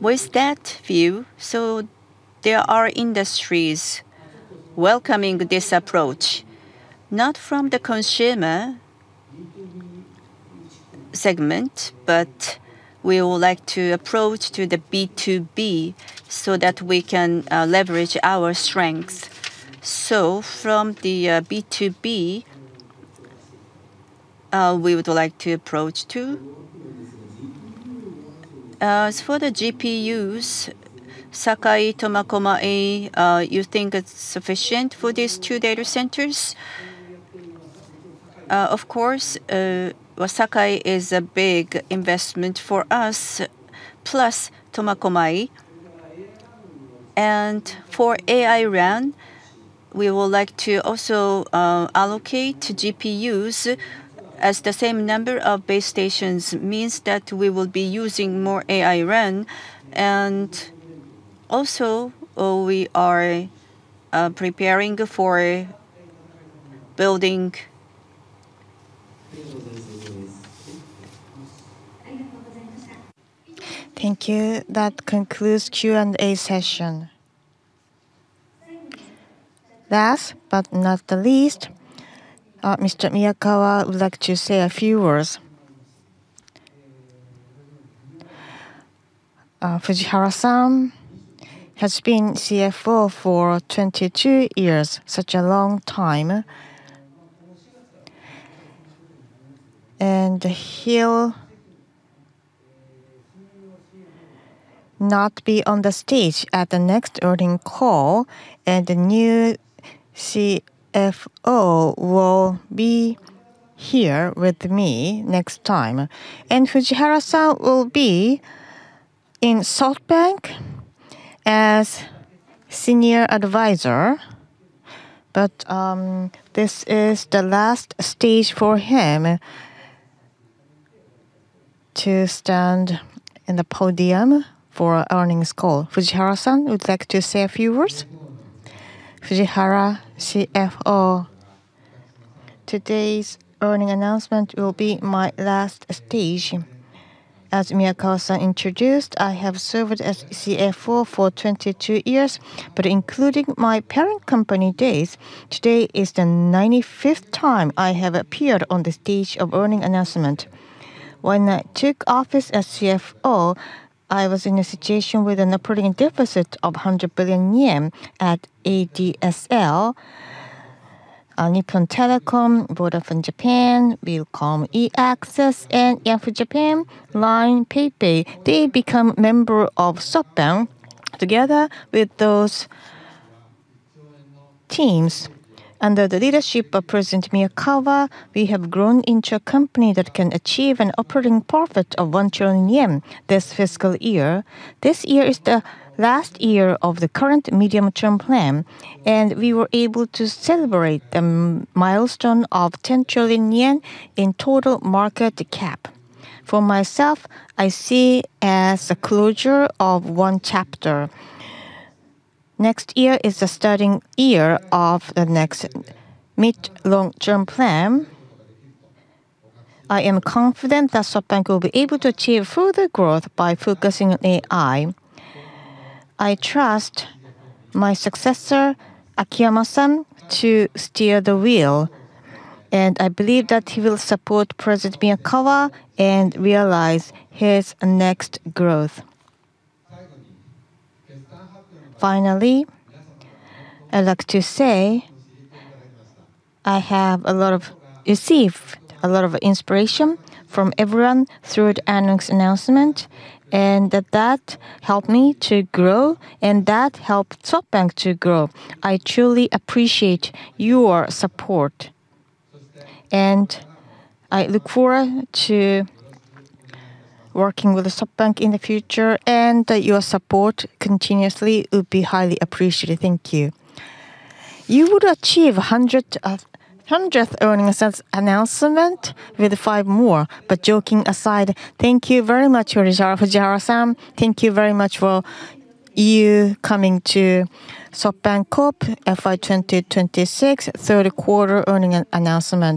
With that view, so there are industries welcoming this approach. Not from the consumer segment, but we would like to approach to the B2B so that we can leverage our strengths. So from the B2B, we would like to approach too. As for the GPUs, Sakai, Tomakomai, you think it's sufficient for these two data centers? Of course, well, Sakai is a big investment for us, plus Tomakomai. For AI RAN, we would like to also allocate GPUs, as the same number of base stations means that we will be using more AI RAN. Also, we are preparing for building Thank you. That concludes Q&A session. Last but not the least, Mr. Miyakawa would like to say a few words. Fujihara-san has been CFO for 22 years, such a long time. He'll not be on the stage at the next earning call, and the new CFO will be here with me next time. Fujihara-san will be in SoftBank as senior advisor, but this is the last stage for him to stand in the podium for earnings call. Fujihara-san, would you like to say a few words? Fujihara, CFO. Today's earnings announcement will be my last stage. As Miyakawa-san introduced, I have served as CFO for 22 years, but including my parent company days, today is the 95th time I have appeared on the stage of earnings announcement. When I took office as CFO, I was in a situation with an operating deficit of 100 billion yen at ADSL. Nippon Telecom, Vodafone Japan, Willcom, eAccess, and Yahoo Japan, LINE, PayPay, they become member of SoftBank. Together with those teams, under the leadership of President Miyakawa, we have grown into a company that can achieve an operating profit of 1 trillion yen this fiscal year. This year is the last year of the current medium-term plan, and we were able to celebrate the milestone of 10 trillion yen in total market cap. For myself, I see as a closure of one chapter. Next year is the starting year of the next mid long-term plan. I am confident that SoftBank will be able to achieve further growth by focusing on AI. I trust my successor, Akiyama-san, to steer the wheel, and I believe that he will support President Miyakawa and realize his next growth. Finally, I'd like to say received a lot of inspiration from everyone through the earnings announcement, and that helped me to grow, and that helped SoftBank to grow. I truly appreciate your support, and I look forward to working with SoftBank in the future, and your support continuously would be highly appreciated. Thank you. You would achieve a hundredth earnings announcement with five more. But joking aside, thank you very much, Fujihara-san. Thank you very much for you coming to SoftBank Corp FY 2026, third quarter earnings announcement.